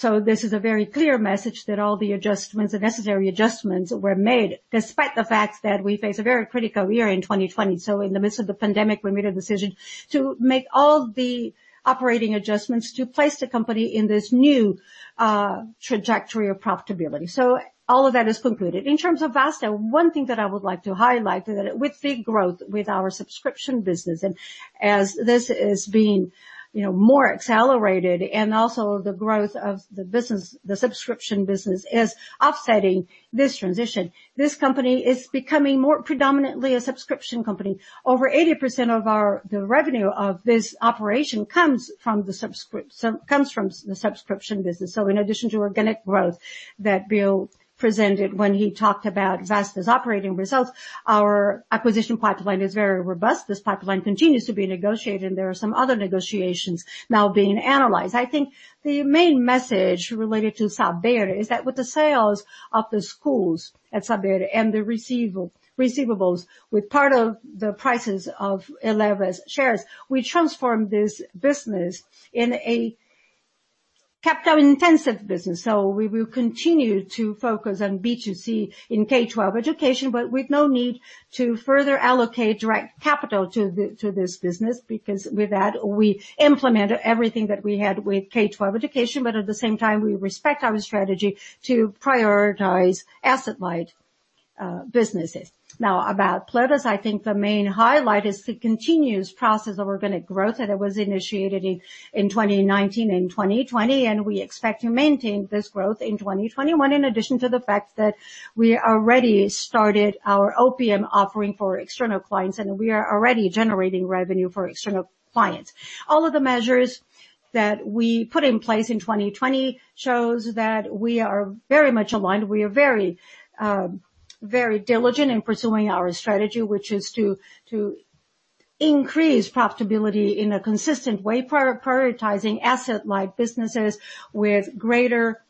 This is a very clear message that all the necessary adjustments were made despite the fact that we face a very critical year in 2020. In the midst of the pandemic, we made a decision to make all the operating adjustments to place the company in this new trajectory of profitability. All of that is concluded. In terms of Vasta, one thing that I would like to highlight is that with the growth with our subscription business, and as this is being more accelerated, and also the growth of the subscription business is offsetting this transition. This company is becoming more predominantly a subscription company. Over 80% of the revenue of this operation comes from the subscription business. In addition to organic growth that Ghio presented when he talked about Vasta's operating results, our acquisition pipeline is very robust. This pipeline continues to be negotiated, and there are some other negotiations now being analyzed. I think the main message related to Saber is that with the sales of the schools at Saber and the receivables with part of the prices of Eleva's shares, we transformed this business in a capital-intensive business. We will continue to focus on B2C in K-12 education, with no need to further allocate direct capital to this business, because with that, we implemented everything that we had with K-12 education. At the same time, we respect our strategy to prioritize asset-light businesses. Now about Platos, I think the main highlight is the continuous process of organic growth that was initiated in 2019 and 2020, and we expect to maintain this growth in 2021, in addition to the fact that we already started our OPM offering for external clients, and we are already generating revenue for external clients. All of the measures that we put in place in 2020 shows that we are very much aligned. We are very diligent in pursuing our strategy, which is to increase profitability in a consistent way, prioritizing asset-light businesses with greater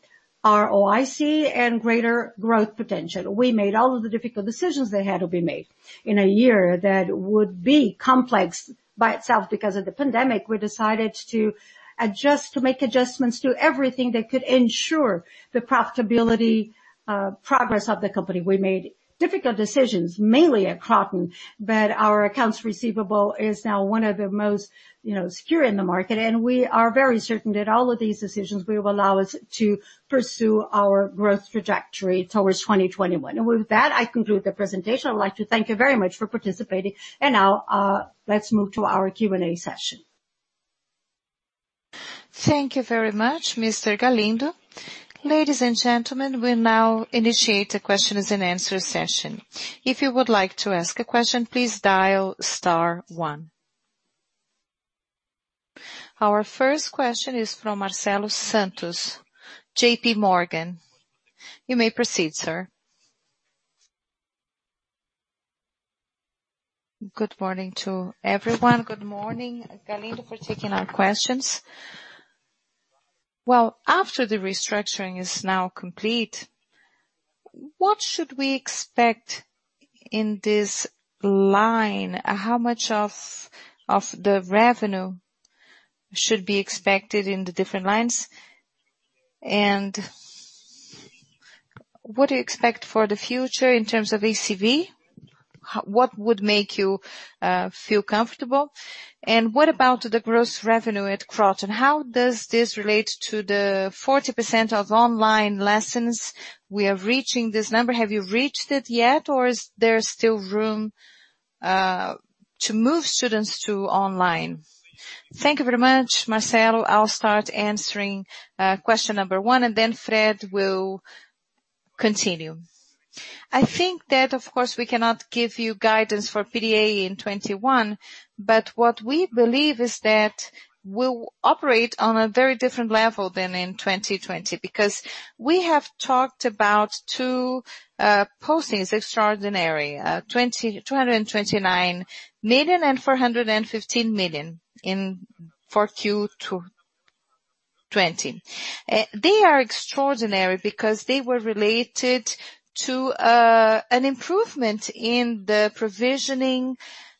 ROIC and greater growth potential. We made all of the difficult decisions that had to be made in a year that would be complex by itself because of the pandemic. We decided to make adjustments to everything that could ensure the profitability progress of the company. We made difficult decisions, mainly at Kroton, but our accounts receivable is now one of the most secure in the market, and we are very certain that all of these decisions will allow us to pursue our growth trajectory towards 2021. With that, I conclude the presentation. I would like to thank you very much for participating. Now, let's move to our Q&A session. Thank you very much, Mr. Galindo. Ladies and gentlemen, we'll now initiate a questions and answer session. Our first question is from Marcelo Santos, JPMorgan. You may proceed, sir. Good morning to everyone. Good morning, Galindo, for taking our questions. Well, after the restructuring is now complete, what should we expect in this line? How much of the revenue should be expected in the different lines? What do you expect for the future in terms of ACV? What would make you feel comfortable? What about the gross revenue at Kroton? How does this relate to the 40% of online lessons we are reaching this number? Have you reached it yet, or is there still room to move students to online? Thank you very much, Marcelo. I'll start answering question number one, and then Fred will continue. I think that, of course, we cannot give you guidance for PDA in 2021. What we believe is that we'll operate on a very different level than in 2020, because we have talked about two postings, extraordinary 229 million and 415 million for Q2 2020. They are extraordinary because they were related to an improvement in the provisioning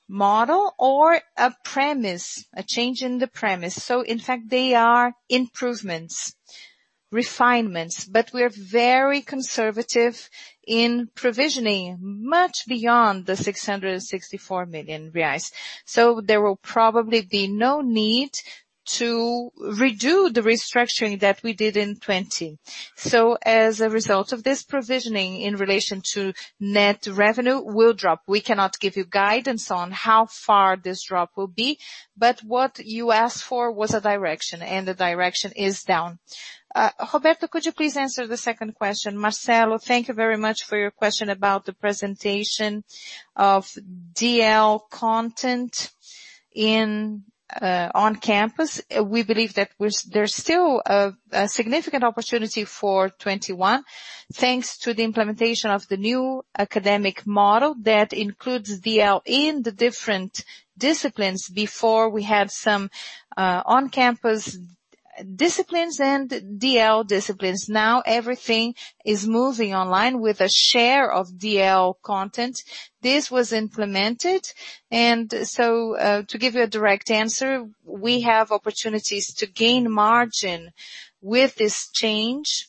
model or a premise, a change in the premise. In fact, they are improvements, refinements. We're very conservative in provisioning much beyond the 664 million reais. There will probably be no need to redo the restructuring that we did in 2020. As a result of this provisioning in relation to net revenue will drop. We cannot give you guidance on how far this drop will be, but what you asked for was a direction, and the direction is down. Roberto, could you please answer the second question? Marcelo, thank you very much for your question about the presentation of DL content on campus. We believe that there's still a significant opportunity for 2021, thanks to the implementation of the new academic model that includes DL in the different disciplines. Before we had some on-campus disciplines and DL disciplines. Now everything is moving online with a share of DL content. This was implemented. To give you a direct answer, we have opportunities to gain margin with this change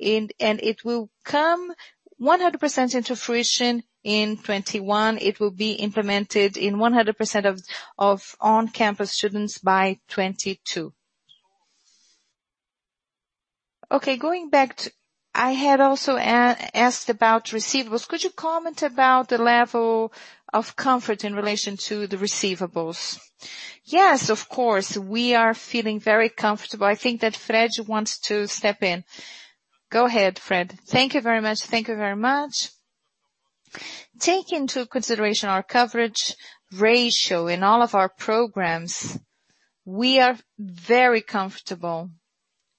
and it will come 100% into fruition in 2021. It will be implemented in 100% of on-campus students by 2022. Okay. Going back, I had also asked about receivables. Could you comment about the level of comfort in relation to the receivables? Yes, of course. We are feeling very comfortable. I think that Fred wants to step in. Go ahead, Fred. Thank you very much. Take into consideration our coverage ratio in all of our programs. We are very comfortable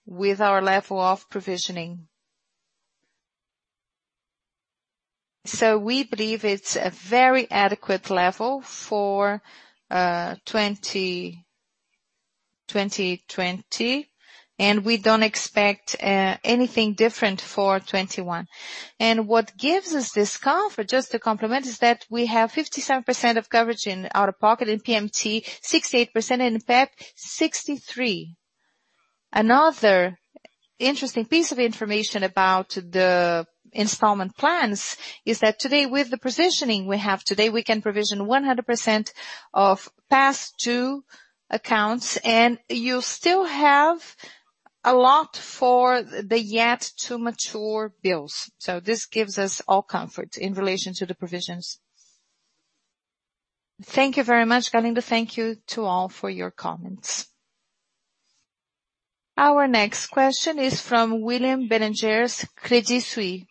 with our level of provisioning. We believe it's a very adequate level for 2020, and we don't expect anything different for 2021. What gives us this comfort, just to complement, is that we have 57% of coverage in out-of-pocket and PMT, 68% in PEP, 63%. Another interesting piece of information about the installment plans is that today, with the positioning we have today, we can provision 100% of past due accounts, and you still have a lot for the yet to mature bills. This gives us all comfort in relation to the provisions. Thank you very much, Galindo. Thank you to all for your comments. Our next question is from William Bélanger, Credit Suisse.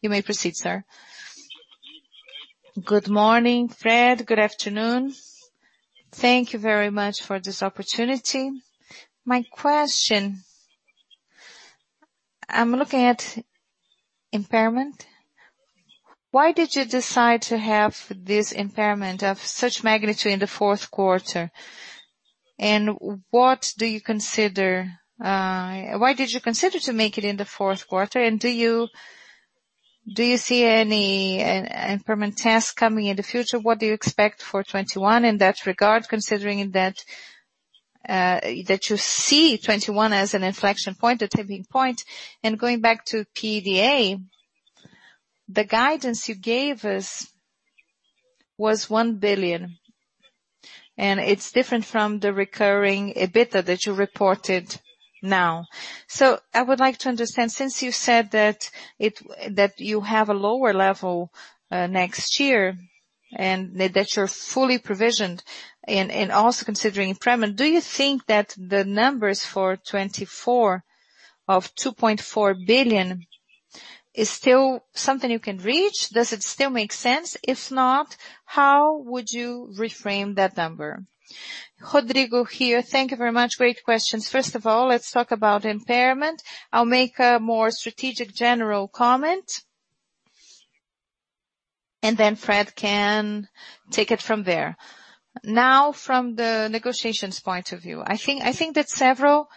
You may proceed, sir. Good morning, Fred. Good afternoon. Thank you very much for this opportunity. My question, I'm looking at impairment. Why did you decide to have this impairment of such magnitude in the fourth quarter? Why did you consider to make it in the fourth quarter? Do you see any impairment tests coming in the future? What do you expect for 2021 in that regard, considering that you see 2021 as an inflection point, a tipping point? Going back to PDA, the guidance you gave us was 1 billion, and it's different from the recurring EBITDA that you reported now. I would like to understand, since you said that you have a lower level next year, and that you're fully provisioned, and also considering impairment, do you think that the numbers for 2024 of 2.4 billion is still something you can reach? Does it still make sense? If not, how would you reframe that number? Rodrigo here. Thank you very much. Great questions. First of all, let's talk about impairment. I'll make a more strategic general comment, and then Fred can take it from there. From the negotiations point of view, I think that several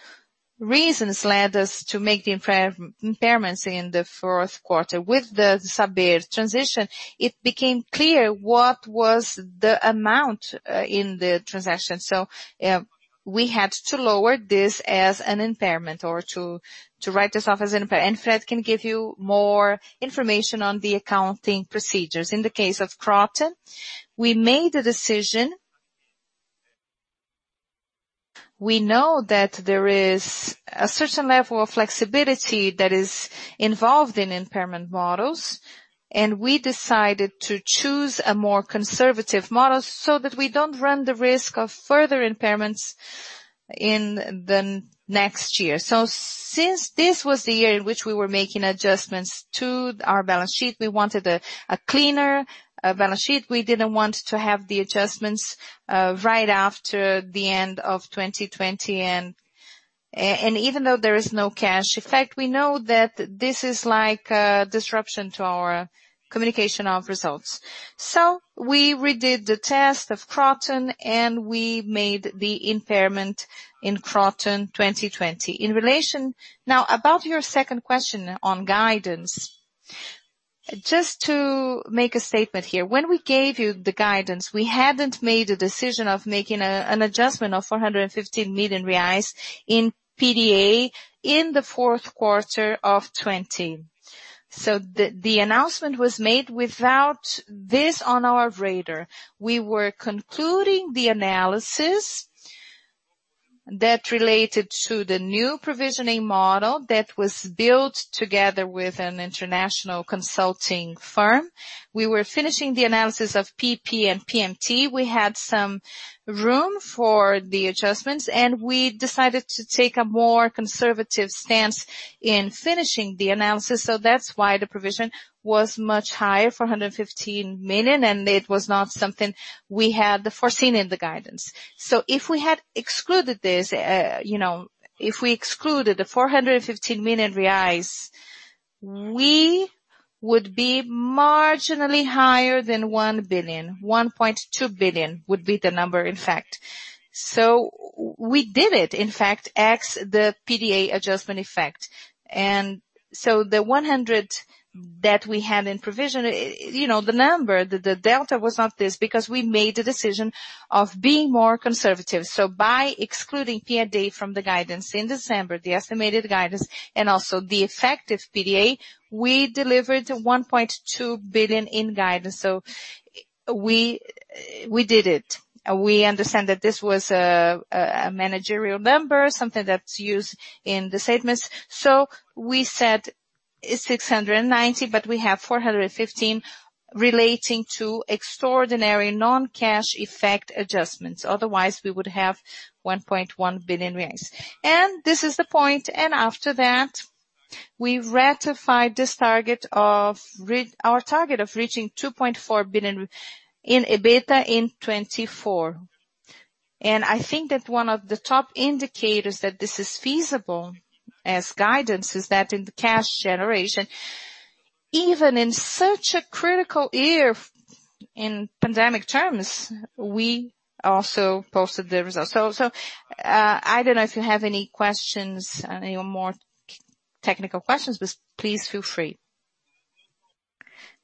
reasons led us to make the impairments in the fourth quarter. With the Saber transition, it became clear what was the amount in the transaction. We had to lower this as an impairment or to write this off as an impairment. Fred can give you more information on the accounting procedures. In the case of Kroton, we made a decision. We know that there is a certain level of flexibility that is involved in impairment models, and we decided to choose a more conservative model so that we don't run the risk of further impairments in the next year. Since this was the year in which we were making adjustments to our balance sheet, we wanted a cleaner balance sheet. We didn't want to have the adjustments right after the end of 2020. Even though there is no cash effect, we know that this is like a disruption to our communication of results. We redid the test of Kroton, and we made the impairment in Kroton 2020. Now, about your second question on guidance. Just to make a statement here. When we gave you the guidance, we hadn't made a decision of making an adjustment of 450 million reais in PDA in the fourth quarter of 2020. The announcement was made without this on our radar. We were concluding the analysis that related to the new provisioning model that was built together with an international consulting firm. We were finishing the analysis of PEP and PMT. We had some room for the adjustments, and we decided to take a more conservative stance in finishing the analysis. That's why the provision was much higher, 415 million, and it was not something we had foreseen in the guidance. If we had excluded this, if we excluded the 450 million reais, we would be marginally higher than 1 billion. 1.2 billion would be the number, in fact. We did it, in fact, X the PDA adjustment effect. The 100 million that we had in provision, the number, the delta was not this because we made the decision of being more conservative. By excluding PDA from the guidance in December, the estimated guidance, and also the effective PDA, we delivered 1.2 billion in guidance. We did it. We understand that this was a managerial number, something that's used in the statements. We said it's 690 million, but we have 415 million relating to extraordinary non-cash effect adjustments. Otherwise, we would have 1.1 billion. This is the point, and after that, we ratified our target of reaching 2.4 billion in EBITDA in 2024. I think that one of the top indicators that this is feasible as guidance is that in the cash generation, even in such a critical year in pandemic terms, we also posted the results. I don't know if you have any more technical questions, but please feel free.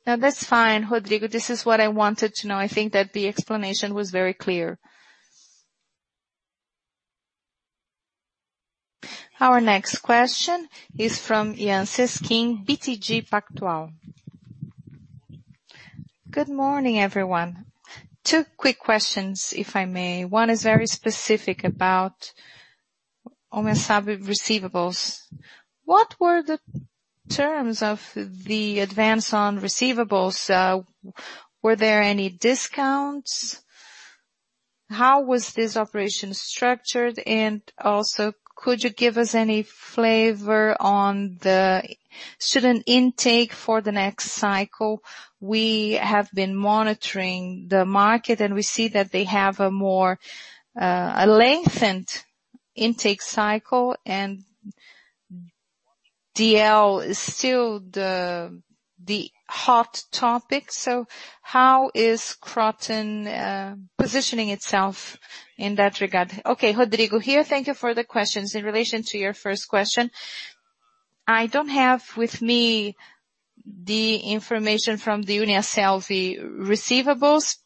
No, that's fine, Rodrigo. This is what I wanted to know. I think that the explanation was very clear. Our next question is from Yan Cesquim, BTG Pactual. Good morning, everyone. Two quick questions, if I may. One is very specific about UNIASSELVI receivables. What were the terms of the advance on receivables? Were there any discounts? How was this operation structured? Also, could you give us any flavor on the student intake for the next cycle? We have been monitoring the market. We see that they have a lengthened intake cycle. DL is still the hot topic. How is Kroton positioning itself in that regard? Rodrigo here. Thank you for the questions. In relation to your first question, I don't have with me the information from the UNIASSELVI receivables.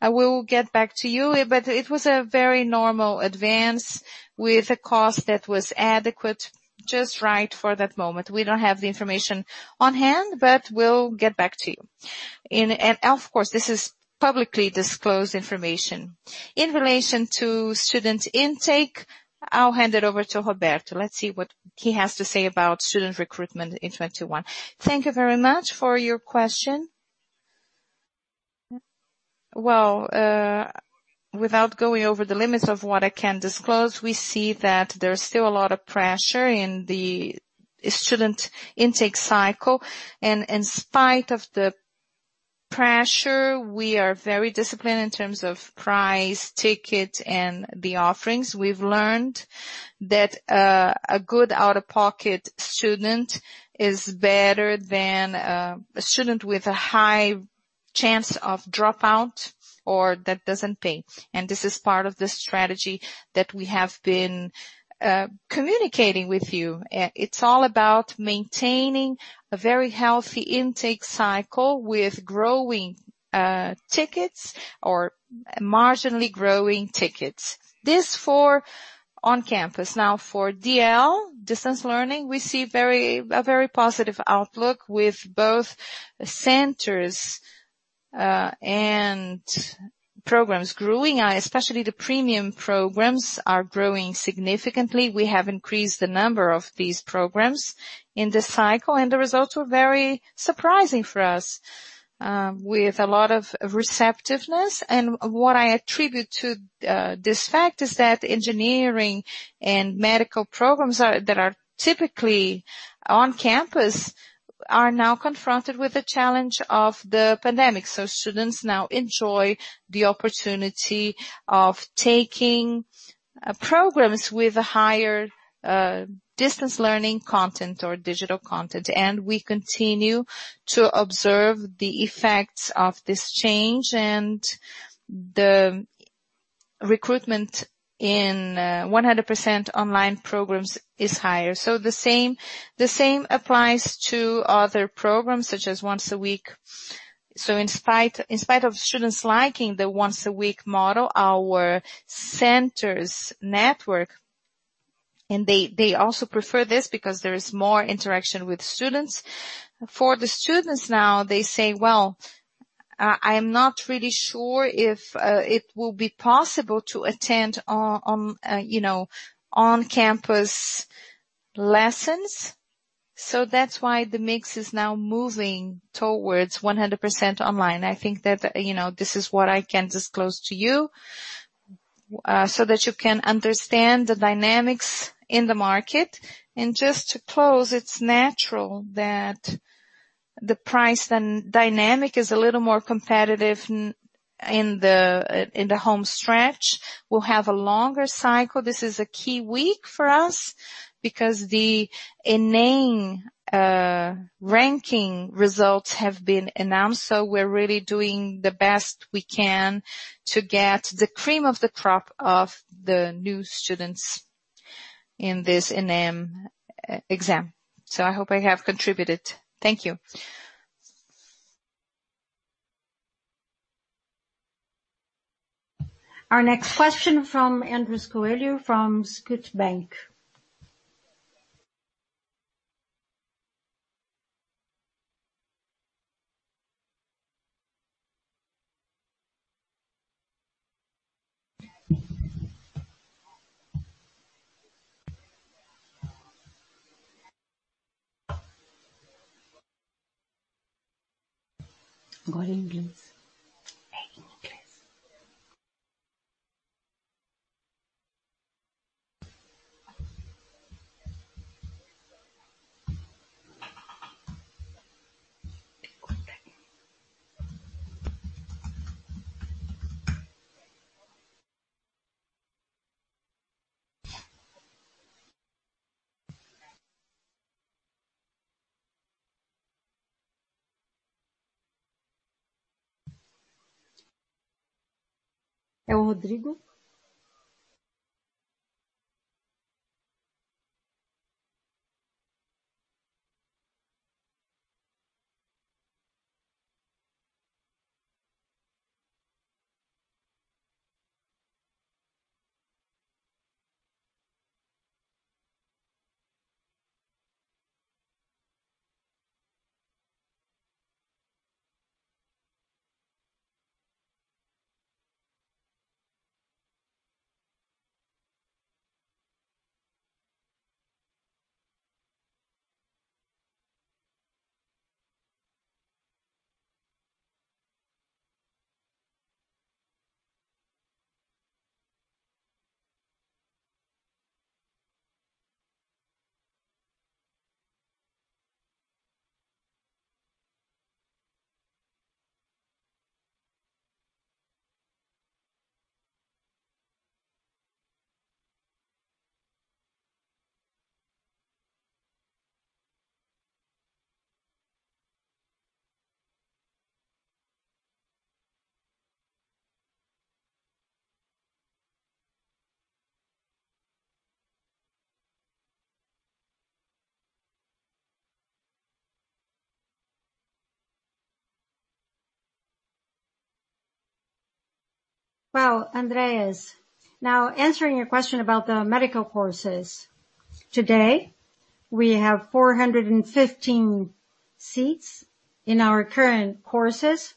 I will get back to you. It was a very normal advance with a cost that was adequate, just right for that moment. We don't have the information on hand. We'll get back to you. Of course, this is publicly disclosed information. In relation to student intake, I'll hand it over to Roberto. Let's see what he has to say about student recruitment in 2021. Thank you very much for your question. Well, without going over the limits of what I can disclose, we see that there's still a lot of pressure in the student intake cycle. In spite of the pressure, we are very disciplined in terms of price, ticket, and the offerings. We've learned that a good out-of-pocket student is better than a student with a high chance of dropout or that doesn't pay. This is part of the strategy that we have been communicating with you. It's all about maintaining a very healthy intake cycle with growing tickets or marginally growing tickets. This for on-campus. For DL, distance learning, we see a very positive outlook with both centers and programs growing, especially the premium programs are growing significantly. We have increased the number of these programs in this cycle, and the results were very surprising for us, with a lot of receptiveness. What I attribute to this fact is that engineering and medical programs that are typically on campus are now confronted with the challenge of the pandemic. Students now enjoy the opportunity of taking programs with a higher distance learning content or digital content. We continue to observe the effects of this change and the recruitment in 100% online programs is higher. The same applies to other programs such as once a week. In spite of students liking the once-a-week model, our centers network, and they also prefer this because there is more interaction with students. For the students now, they say, "Well, I am not really sure if it will be possible to attend on-campus lessons." That's why the mix is now moving towards 100% online. I think that this is what I can disclose to you so that you can understand the dynamics in the market. Just to close, it's natural that the price dynamic is a little more competitive in the home stretch. We'll have a longer cycle. This is a key week for us because the ENEM ranking results have been announced. We're really doing the best we can to get the cream of the crop of the new students in this ENEM exam. I hope I have contributed. Thank you. Our next question from Andres Coello from Scotiabank. Well, Andres, now answering your question about the medical courses. Today, we have 415 seats in our current courses.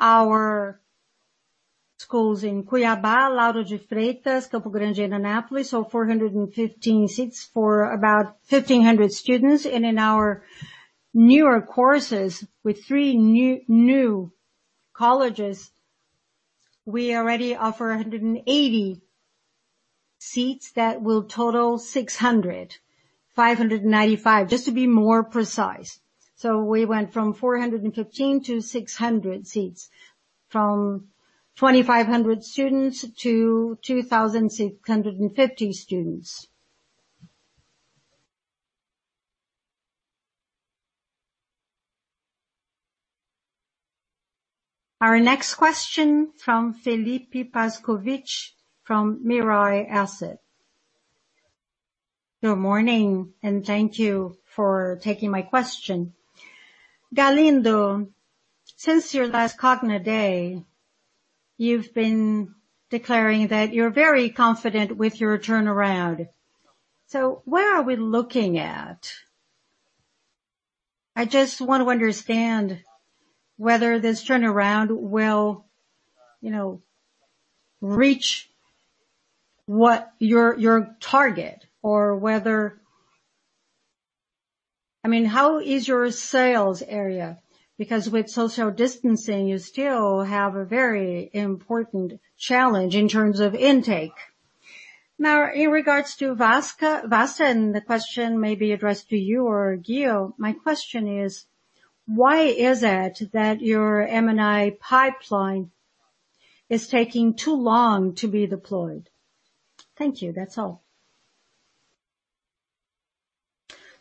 Our schools in Cuiabá, Lauro de Freitas, Campo Grande and Anápolis have 415 seats for about 1,500 students. In our newer courses with three new colleges, we already offer 180 seats that will total 600, 595 just to be more precise. We went from 415 to 600 seats, from 2,500 students to 2,650 students. Our next question from Felipe Pascowitch from Mirae Asset. Good morning, and thank you for taking my question. Galindo, since your last Cogna Day, you've been declaring that you're very confident with your turnaround. Where are we looking at? I just want to understand whether this turnaround will reach what your target or how is your sales area? With social distancing, you still have a very important challenge in terms of intake. In regards to Vasta, the question may be addressed to you or Ghio. My question is, why is it that your M&A pipeline is taking too long to be deployed? Thank you. That's all.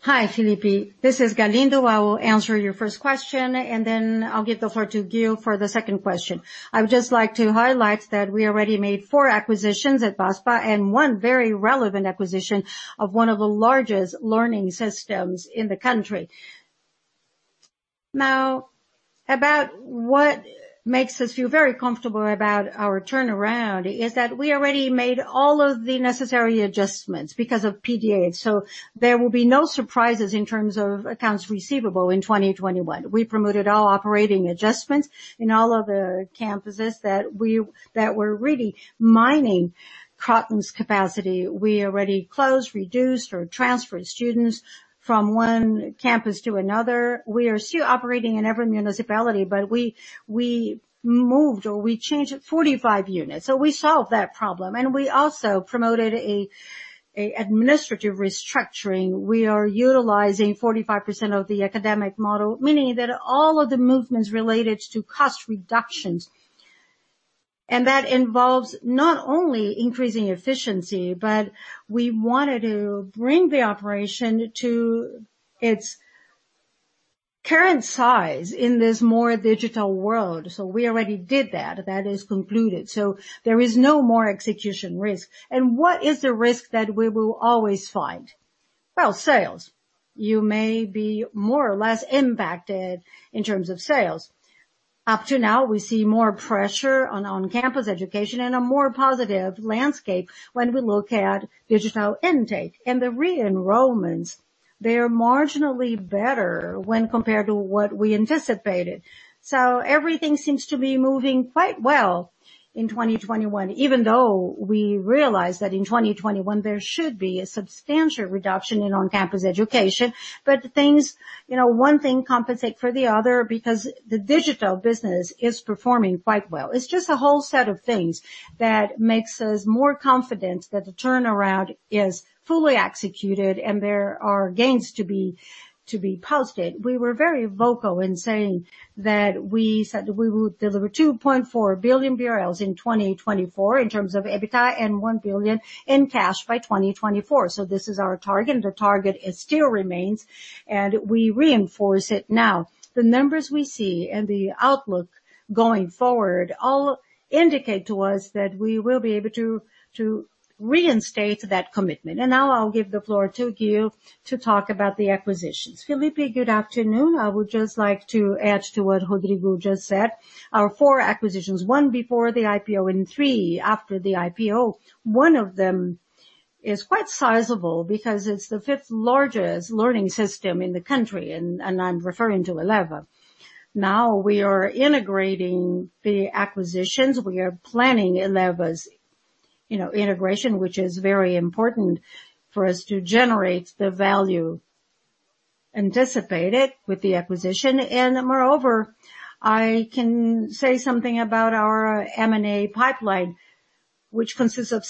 Hi, Felipe. This is Galindo. I will answer your first question, and then I'll give the floor to Ghio for the second question. I would just like to highlight that we already made four acquisitions at Vasta and one very relevant acquisition of one of the largest learning systems in the country. About what makes us feel very comfortable about our turnaround is that we already made all of the necessary adjustments because of PDA. There will be no surprises in terms of accounts receivable in 2021. We promoted all operating adjustments in all of the campuses that were really mining Cogna's capacity. We already closed, reduced, or transferred students from one campus to another. We are still operating in every municipality, we moved or we changed 45 units. We solved that problem. We also promoted an administrative restructuring. We are utilizing 45% of the academic model, meaning that all of the movements related to cost reductions. That involves not only increasing efficiency, but we wanted to bring the operation to its current size in this more digital world. We already did that. That is concluded. There is no more execution risk. What is the risk that we will always find? Well, sales. You may be more or less impacted in terms of sales. Up to now, we see more pressure on on-campus education and a more positive landscape when we look at digital intake. The re-enrollments, they are marginally better when compared to what we anticipated. Everything seems to be moving quite well in 2021, even though we realize that in 2021, there should be a substantial reduction in on-campus education. One thing compensate for the other because the digital business is performing quite well. It's just a whole set of things that makes us more confident that the turnaround is fully executed and there are gains to be posted. We were very vocal in saying that we said we would deliver 2.4 billion BRL in 2024 in terms of EBITDA and 1 billion in cash by 2024. This is our target, and the target, it still remains, and we reinforce it now. The numbers we see and the outlook going forward all indicate to us that we will be able to reinstate that commitment. Now I'll give the floor to Ghio to talk about the acquisitions. Felipe, good afternoon. I would just like to add to what Rodrigo just said. Our four acquisitions, one before the IPO and three after the IPO. One of them is quite sizable because it's the fifth largest learning system in the country, and I'm referring to Eleva. Now we are integrating the acquisitions. We are planning Eleva's integration, which is very important for us to generate the value anticipated with the acquisition. Moreover, I can say something about our M&A pipeline, which consists of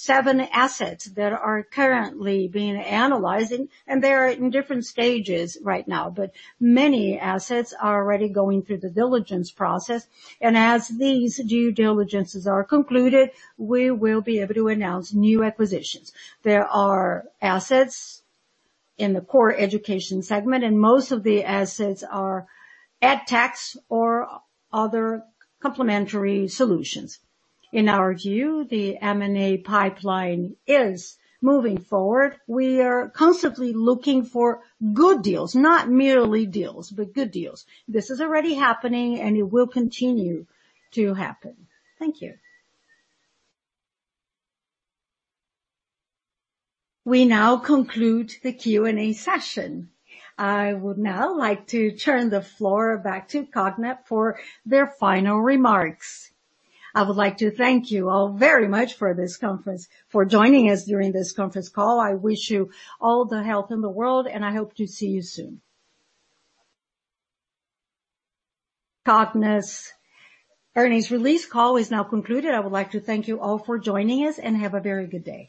77 assets that are currently being analyzed, and they are in different stages right now. Many assets are already going through the diligence process. As these due diligences are concluded, we will be able to announce new acquisitions. There are assets in the core education segment, and most of the assets are ed techs or other complementary solutions. In our view, the M&A pipeline is moving forward. We are constantly looking for good deals. Not merely deals, but good deals. This is already happening, and it will continue to happen. Thank you. We now conclude the Q&A session. I would now like to turn the floor back to Cogna for their final remarks. I would like to thank you all very much for joining us during this conference call. I wish you all the health in the world, and I hope to see you soon. Cogna's earnings release call is now concluded. I would like to thank you all for joining us, and have a very good day.